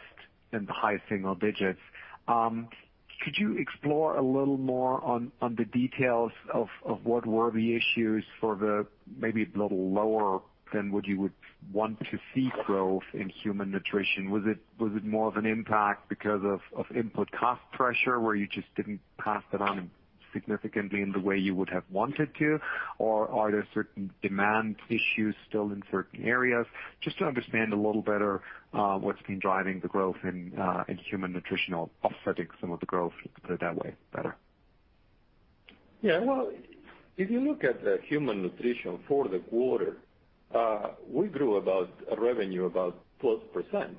in the high single digits. Could you explore a little more on the details of what were the issues for the maybe a little lower than what you would want to see growth in Human Nutrition? Was it more of an impact because of input cost pressure, where you just didn't pass that on significantly in the way you would have wanted to? Or are there certain demand issues still in certain areas? Just to understand a little better, what's been driving the growth in Human Nutrition, offsetting some of the growth, let's put it that way, better. Yeah. Well, if you look at the Human Nutrition for the quarter, we grew about revenue about 12%.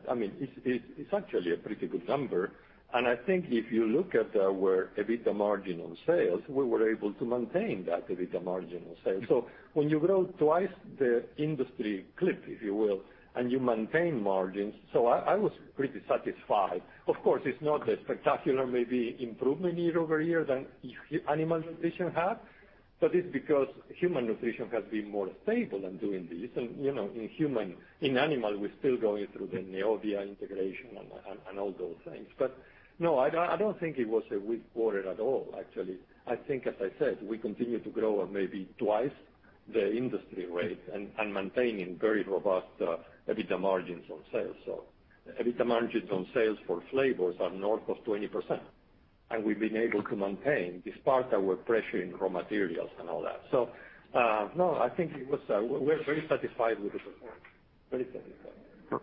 I mean, it's actually a pretty good number. I think if you look at our EBITDA margin on sales, we were able to maintain that EBITDA margin on sales. When you grow twice the industry clip, if you will, and you maintain margins. I was pretty satisfied. Of course, it's not the spectacular maybe improvement year-over-year than animal nutrition had, but it's because Human Nutrition has been more stable than doing this. You know, in animal, we're still going through the Neovia integration and all those things. But no, I don't think it was a weak quarter at all, actually. I think, as I said, we continue to grow at maybe twice the industry rate and maintaining very robust EBITDA margins on sales. EBITDA margins on sales for flavors are north of 20%, and we've been able to maintain despite our pressure in raw materials and all that. No, I think we're very satisfied with the performance. Very satisfied.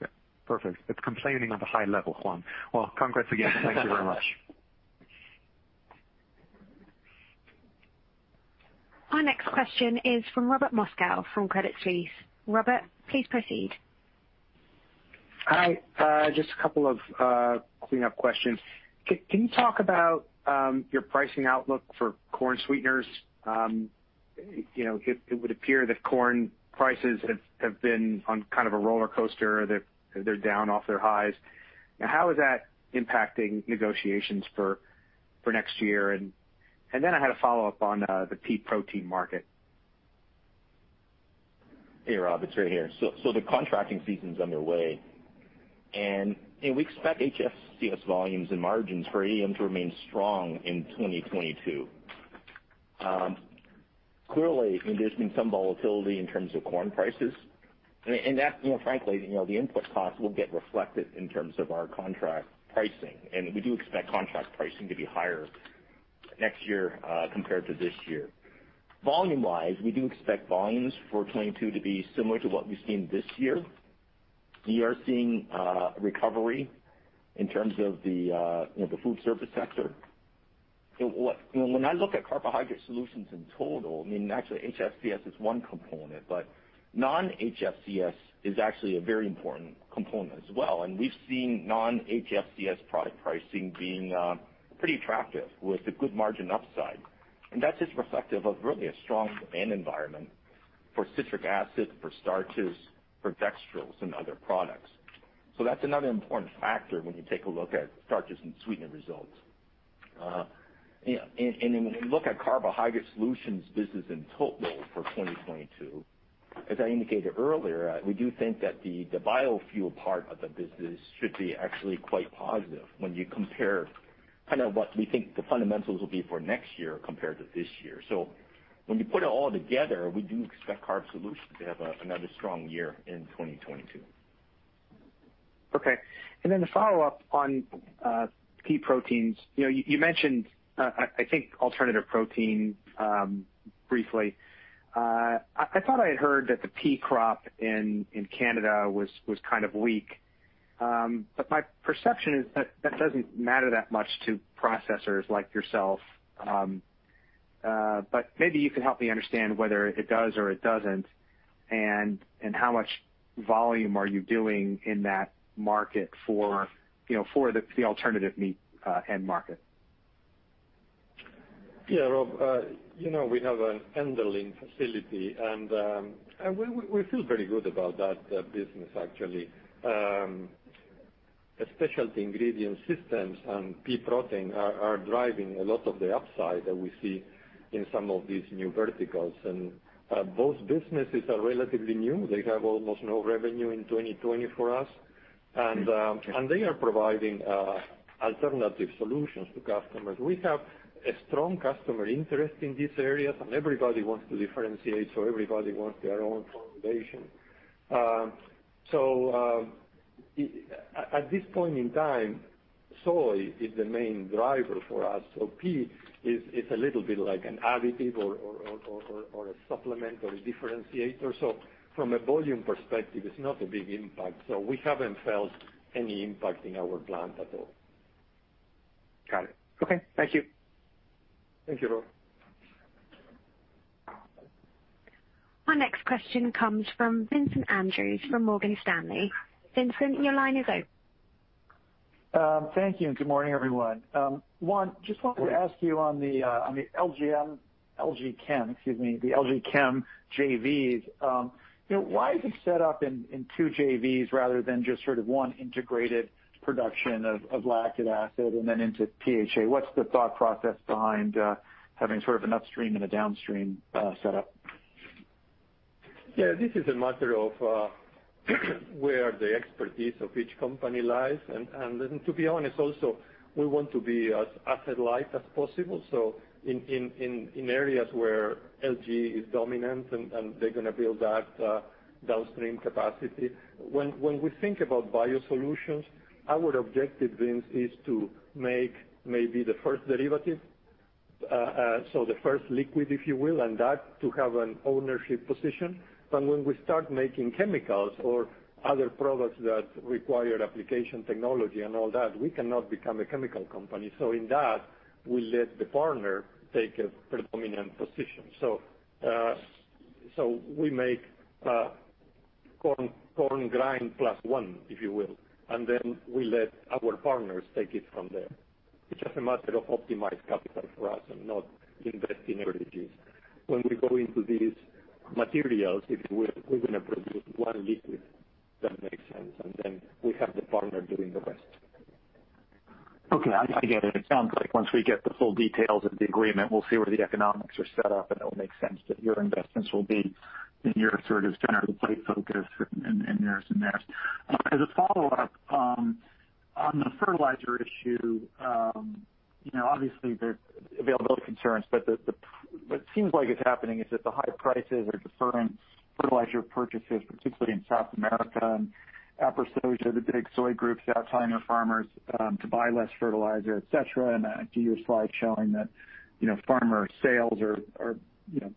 Yeah. Perfect. It's compelling at a high level, Juan. Well, congrats again. Thank you very much. Our next question is from Robert Moskow from Credit Suisse. Robert, please proceed. Hi. Just a couple of cleanup questions. Can you talk about your pricing outlook for corn sweeteners? You know, it would appear that corn prices have been on kind of a rollercoaster. They're down off their highs. Now, how is that impacting negotiations for next year? And then I had a follow-up on the pea protein market. Hey, Rob, it's Ray here. The contracting season's underway, and, you know, we expect HFCS volumes and margins for EMEAI to remain strong in 2022. Clearly, there's been some volatility in terms of corn prices, and that, you know, frankly, you know, the input costs will get reflected in terms of our contract pricing. We do expect contract pricing to be higher next year, compared to this year. Volume-wise, we do expect volumes for 2022 to be similar to what we've seen this year. We are seeing recovery in terms of the, you know, the food service sector. You know, when I look at Carbohydrate Solutions in total, I mean, actually HFCS is one component, but non-HFCS is actually a very important component as well. We've seen non-HFCS product pricing being pretty attractive with a good margin upside. That's just reflective of really a strong demand environment for citric acid, for starches, for dextrose and other products. That's another important factor when you take a look at starches and sweetener results. When we look at Carbohydrate Solutions business in total for 2022, as I indicated earlier, we do think that the biofuel part of the business should be actually quite positive when you compare kind of what we think the fundamentals will be for next year compared to this year. When you put it all together, we do expect Carb Solutions to have another strong year in 2022. Okay. Then the follow-up on pea proteins. You know, you mentioned, I think, alternative protein briefly. I thought I had heard that the pea crop in Canada was kind of weak. My perception is that that doesn't matter that much to processors like yourself, but maybe you can help me understand whether it does or it doesn't and how much volume are you doing in that market for, you know, for the alternative meat end market. Yeah, Rob. You know, we have a handling facility and we feel very good about that business actually. The specialty ingredient systems and pea protein are driving a lot of the upside that we see in some of these new verticals. Both businesses are relatively new. They have almost no revenue in 2020 for us. They are providing alternative solutions to customers. We have a strong customer interest in these areas, and everybody wants to differentiate, so everybody wants their own formulation. At this point in time, soy is the main driver for us. Pea is, it's a little bit like an additive or a supplement or a differentiator. From a volume perspective, it's not a big impact, so we haven't felt any impact in our plant at all. Got it. Okay. Thank you. Thank you, Rob. Our next question comes from Vincent Andrews from Morgan Stanley. Vincent, your line is open. Thank you, and good morning, everyone. Juan, just wanted to ask you on the LG Chem JVs, you know, why is it set up in two JVs rather than just sort of one integrated production of lactic acid and then into PHA? What's the thought process behind having sort of an upstream and a downstream setup? Yeah. This is a matter of where the expertise of each company lies. Then to be honest, also, we want to be as asset light as possible. In areas where LG is dominant and they're gonna build that downstream capacity. When we think about BioSolutions, our objective, Vince, is to make maybe the first derivative, so the first liquid, if you will, and that to have an ownership position. When we start making chemicals or other products that require application technology and all that, we cannot become a chemical company. In that, we let the partner take a predominant position. We make corn grind plus one, if you will, and then we let our partners take it from there. It's just a matter of optimized capital for us and not invest in R&Ds. When we go into these materials, if we're gonna produce one liquid that makes sense, and then we have the partner doing the rest. Okay. I get it. It sounds like once we get the full details of the agreement, we'll see where the economics are set up, and it'll make sense that your investments will be in your sort of general plate focus and theirs. As a follow-up on the fertilizer issue, you know, obviously there's availability concerns, but what seems like is happening is that the high prices are deferring fertilizer purchases, particularly in South America. Aprosoja, the big soy group, is out telling their farmers to buy less fertilizer, et cetera. I see your slide showing that, you know, farmer sales are you know,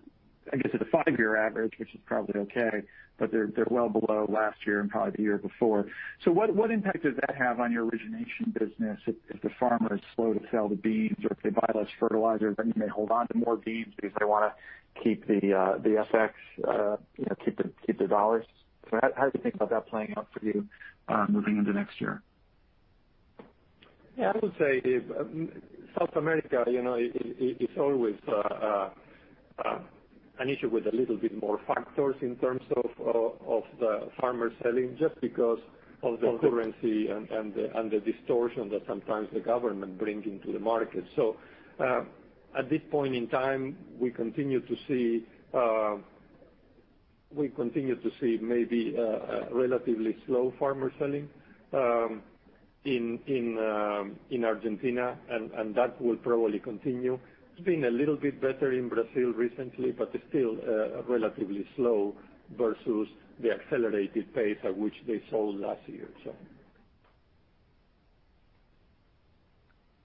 I guess at a five-year average, which is probably okay, but they're well below last year and probably the year before. What impact does that have on your origination business if the farmer is slow to sell the beans or if they buy less fertilizer, then they may hold on to more beans because they wanna keep the FX, you know, keep the dollars? How do you think about that playing out for you moving into next year? Yeah, I would say South America, you know, is always an issue with a little bit more factors in terms of the farmer selling, just because of the currency and the distortion that sometimes the government bring into the market. At this point in time, we continue to see maybe a relatively slow farmer selling in Argentina, and that will probably continue. It's been a little bit better in Brazil recently, but still relatively slow versus the accelerated pace at which they sold last year.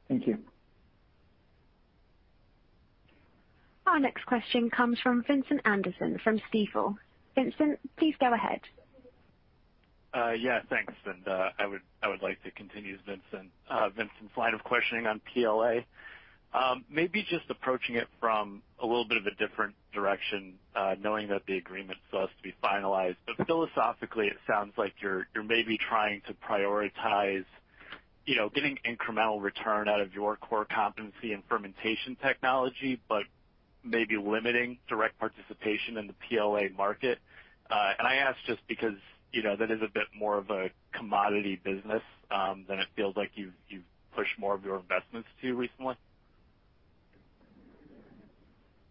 Thank you. Our next question comes from Vincent Anderson from Stifel. Vincent, please go ahead. I would like to continue Vincent's line of questioning on PLA. Maybe just approaching it from a little bit of a different direction, knowing that the agreement still has to be finalized. Philosophically, it sounds like you're maybe trying to prioritize, you know, getting incremental return out of your core competency in fermentation technology, but maybe limiting direct participation in the PLA market. I ask just because, you know, that is a bit more of a commodity business, than it feels like you've pushed more of your investments to recently.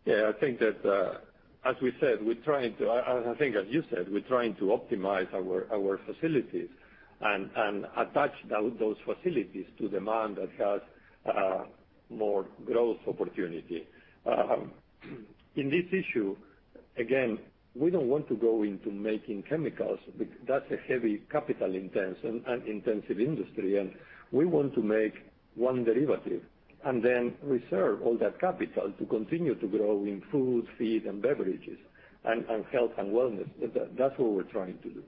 I think as you said, we're trying to optimize our facilities and attach those facilities to demand that has more growth opportunity. In this issue, again, we don't want to go into making chemicals. That's a heavy capital-intensive industry, and we want to make one derivative and then reserve all that capital to continue to grow in food, feed, and beverages, and health and wellness. That's what we're trying to do.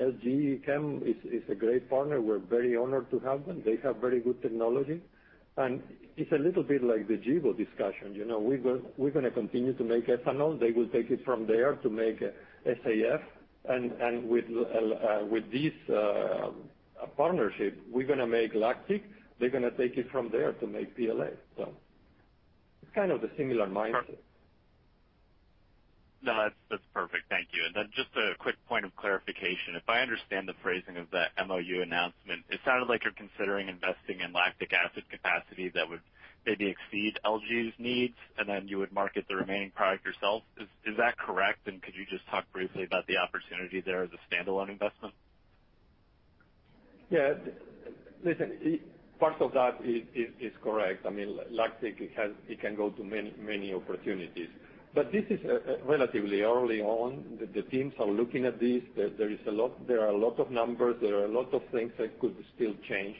LG Chem is a great partner. We're very honored to have them. They have very good technology, and it's a little bit like the Gevo discussion. You know, we're gonna continue to make ethanol. They will take it from there to make SAF. With this partnership, we're gonna make lactic. They're gonna take it from there to make PLA. It's kind of a similar mindset. No, that's perfect. Thank you. Just a quick point of clarification. If I understand the phrasing of the MOU announcement, it sounded like you're considering investing in lactic acid capacity that would maybe exceed LG's needs, and then you would market the remaining product yourself. Is that correct? Could you just talk briefly about the opportunity there as a standalone investment? Part of that is correct. I mean, lactic, it can go to many opportunities. This is relatively early on. The teams are looking at this. There are a lot of numbers, there are a lot of things that could still change.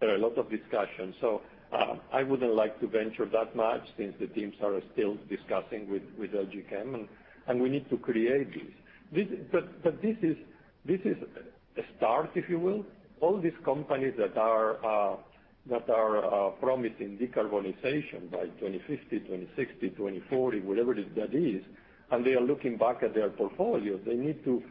There are a lot of discussions. I wouldn't like to venture that much since the teams are still discussing with LG Chem and we need to create this. This is a start, if you will. All these companies that are promising decarbonization by 2050, 2060, 2040, whatever the date is, and they are looking back at their portfolios. They need to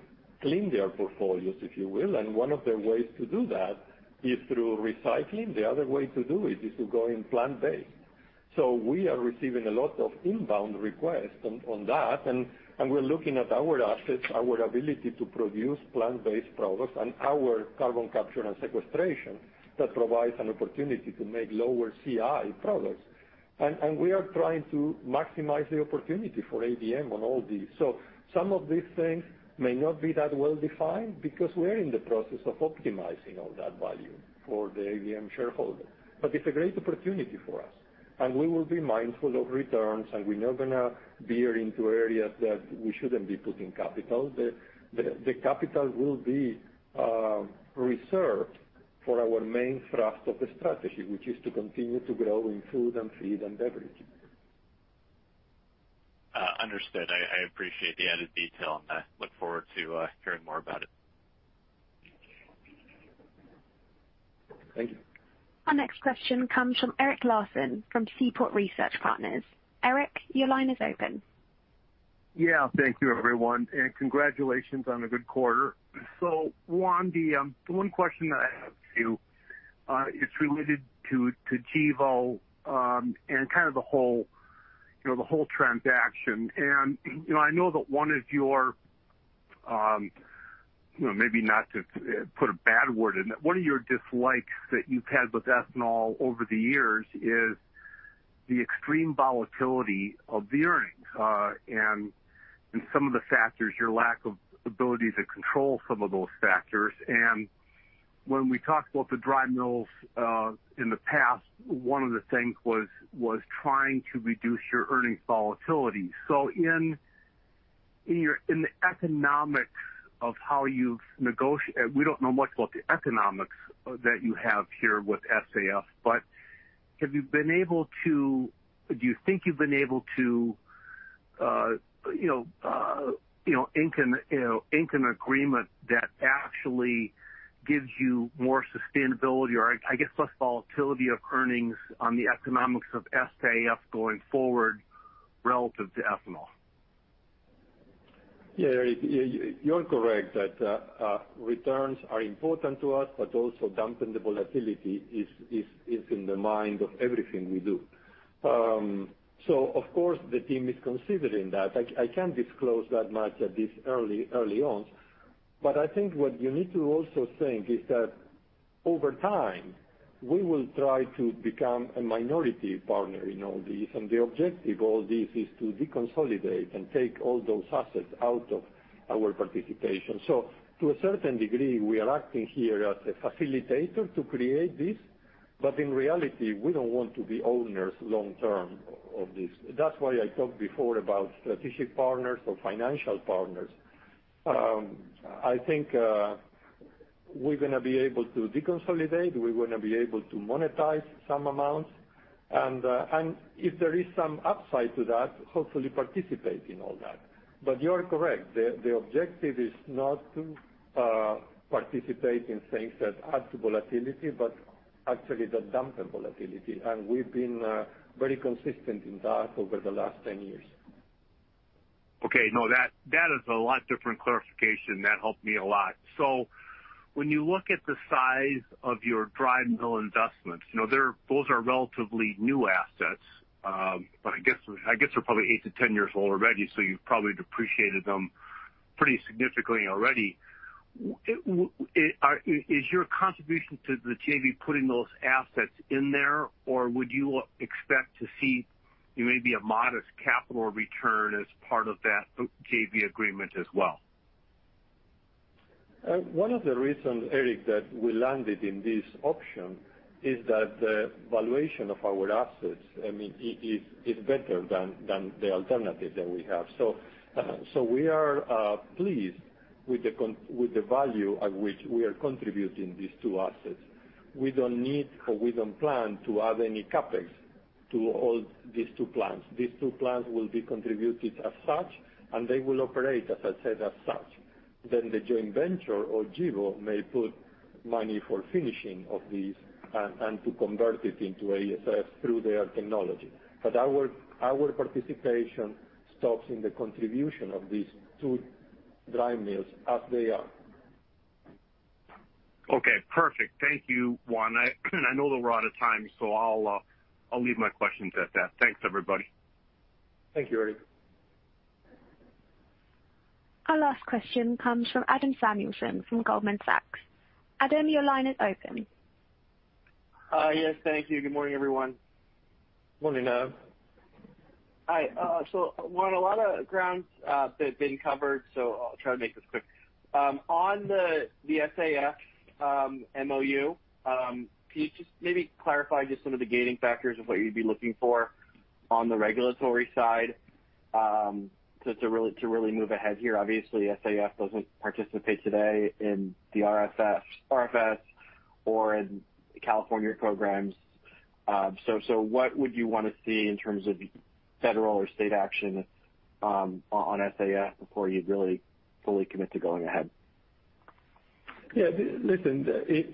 clean their portfolios, if you will. One of the ways to do that is through recycling. The other way to do it is to go in plant-based. We are receiving a lot of inbound requests on that. We're looking at our assets, our ability to produce plant-based products and our carbon capture and sequestration that provides an opportunity to make lower CI products. We are trying to maximize the opportunity for ADM on all these. Some of these things may not be that well-defined because we're in the process of optimizing all that value for the ADM shareholder. It's a great opportunity for us, and we will be mindful of returns, and we're not gonna veer into areas that we shouldn't be putting capital. The capital will be reserved for our main thrust of the strategy, which is to continue to grow in food and feed and beverage. Understood. I appreciate the added detail, and I look forward to hearing more about it. Thank you. Our next question comes from Eric Larson from Seaport Research Partners. Eric, your line is open. Yeah. Thank you, everyone, and congratulations on a good quarter. Juan, the one question I have for you is related to Gevo and kind of the whole, you know, the whole transaction. I know that one of your, you know, maybe not to put a bad word in it. One of your dislikes that you've had with ethanol over the years is the extreme volatility of the earnings and some of the factors, your lack of ability to control some of those factors. When we talked about the dry mills in the past, one of the things was trying to reduce your earnings volatility. In the economics of how you've negotiated, we don't know much about the economics that you have here with SAF. Have you been able to... Do you think you've been able to, you know, ink an agreement that actually gives you more sustainability or, I guess, less volatility of earnings on the economics of SAF going forward relative to ethanol? Yeah, Eric, you're correct that returns are important to us, but also dampen the volatility is in the mind of everything we do. Of course, the team is considering that. I can't disclose that much at this early on. I think what you need to also think is that over time, we will try to become a minority partner in all this. The objective of all this is to deconsolidate and take all those assets out of our participation. To a certain degree, we are acting here as a facilitator to create this, but in reality, we don't want to be owners long-term of this. That's why I talked before about strategic partners or financial partners. I think we're gonna be able to deconsolidate. We're gonna be able to monetize some amounts. If there is some upside to that, hopefully participate in all that. But you are correct, the objective is not to participate in things that add to volatility, but actually that dampen volatility. We've been very consistent in that over the last 10 years. Okay. No, that is a lot different clarification. That helped me a lot. When you look at the size of your dry mill investments, you know, those are relatively new assets. But I guess they're probably 8-10 years old already, so you've probably depreciated them pretty significantly already. Is your contribution to the JV putting those assets in there, or would you expect to see maybe a modest capital return as part of that JV agreement as well? One of the reasons, Eric, that we landed in this option is that the valuation of our assets, I mean, it's better than the alternative that we have. We are pleased with the value at which we are contributing these two assets. We don't need or we don't plan to add any CapEx to all these two plants. These two plants will be contributed as such, and they will operate, as I said, as such. The joint venture or JV may put money for finishing of these and to convert it into SAF through their technology. Our participation stops in the contribution of these two dry mills as they are. Okay, perfect. Thank you, Juan. I know that we're out of time, so I'll leave my questions at that. Thanks, everybody. Thank you, Eric. Our last question comes from Adam Samuelson from Goldman Sachs. Adam, your line is open. Hi. Yes, thank you. Good morning, everyone. Morning, Adam. Hi. Juan, a lot of ground has been covered, so I'll try to make this quick. On the SAF MOU, can you just maybe clarify some of the gating factors of what you'd be looking for on the regulatory side, to really move ahead here? Obviously, SAF doesn't participate today in the RFS or in California programs. What would you wanna see in terms of federal or state action on SAF before you'd really fully commit to going ahead? Yeah. Listen,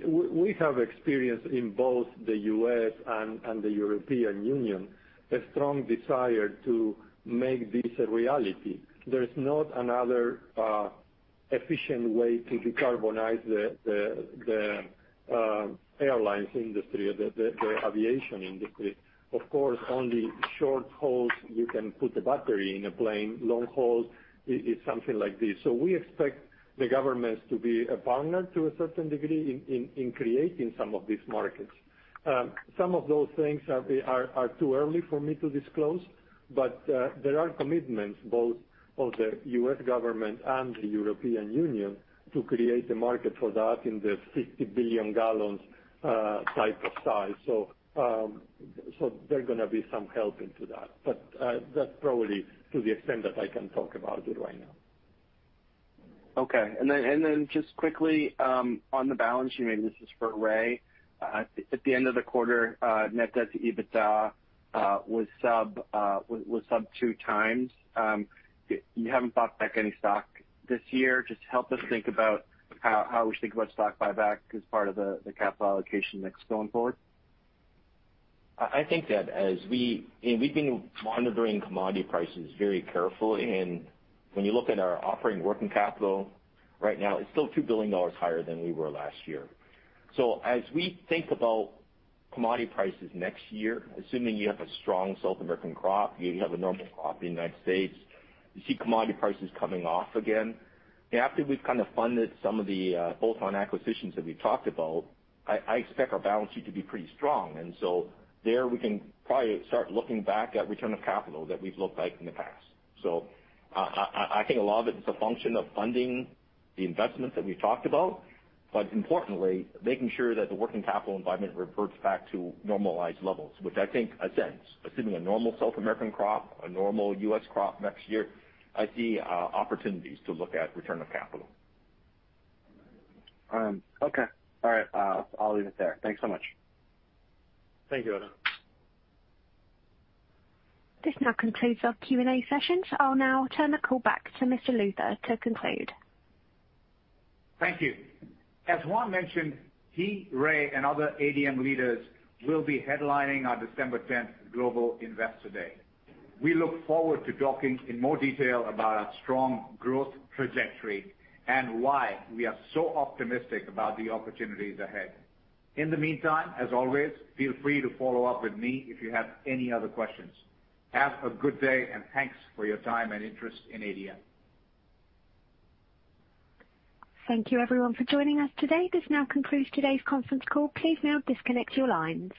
we have experience in both the U.S. and the European Union, a strong desire to make this a reality. There is not another efficient way to decarbonize the airlines industry or the aviation industry. Of course, only short haul you can put a battery in a plane. Long haul it is something like this. We expect the governments to be a partner to a certain degree in creating some of these markets. Some of those things are too early for me to disclose, but there are commitments both of the U.S. government and the European Union to create a market for that in the 60 billion gallons type of size. There are gonna be some help into that. That's probably to the extent that I can talk about it right now. Okay. Just quickly, on the balance sheet, maybe this is for Ray. At the end of the quarter, net debt to EBITDA was sub 2x. You haven't bought back any stock this year. Just help us think about how we should think about stock buyback as part of the capital allocation mix going forward. I think that as we've been monitoring commodity prices very carefully. When you look at our operating working capital right now, it's still $2 billion higher than we were last year. As we think about commodity prices next year, assuming you have a strong South American crop, you have a normal crop in the United States, you see commodity prices coming off again. After we've kind of funded some of the bolt-on acquisitions that we've talked about, I expect our balance sheet to be pretty strong. There we can probably start looking back at return of capital that we've looked like in the past. I think a lot of it is a function of funding the investments that we've talked about, but importantly, making sure that the working capital environment reverts back to normalized levels, which I think makes sense. Assuming a normal South American crop, a normal U.S. crop next year, I see opportunities to look at return of capital. Okay. All right. I'll leave it there. Thanks so much. Thank you, Adam. This now concludes our Q and A session. I'll now turn the call back to Mr. Luthar to conclude. Thank you. As Juan mentioned, he, Ray, and other ADM leaders will be headlining our December 10 Global Investor Day. We look forward to talking in more detail about our strong growth trajectory and why we are so optimistic about the opportunities ahead. In the meantime, as always, feel free to follow up with me if you have any other questions. Have a good day, and thanks for your time and interest in ADM. Thank you everyone for joining us today. This now concludes today's conference call. Please now disconnect your lines.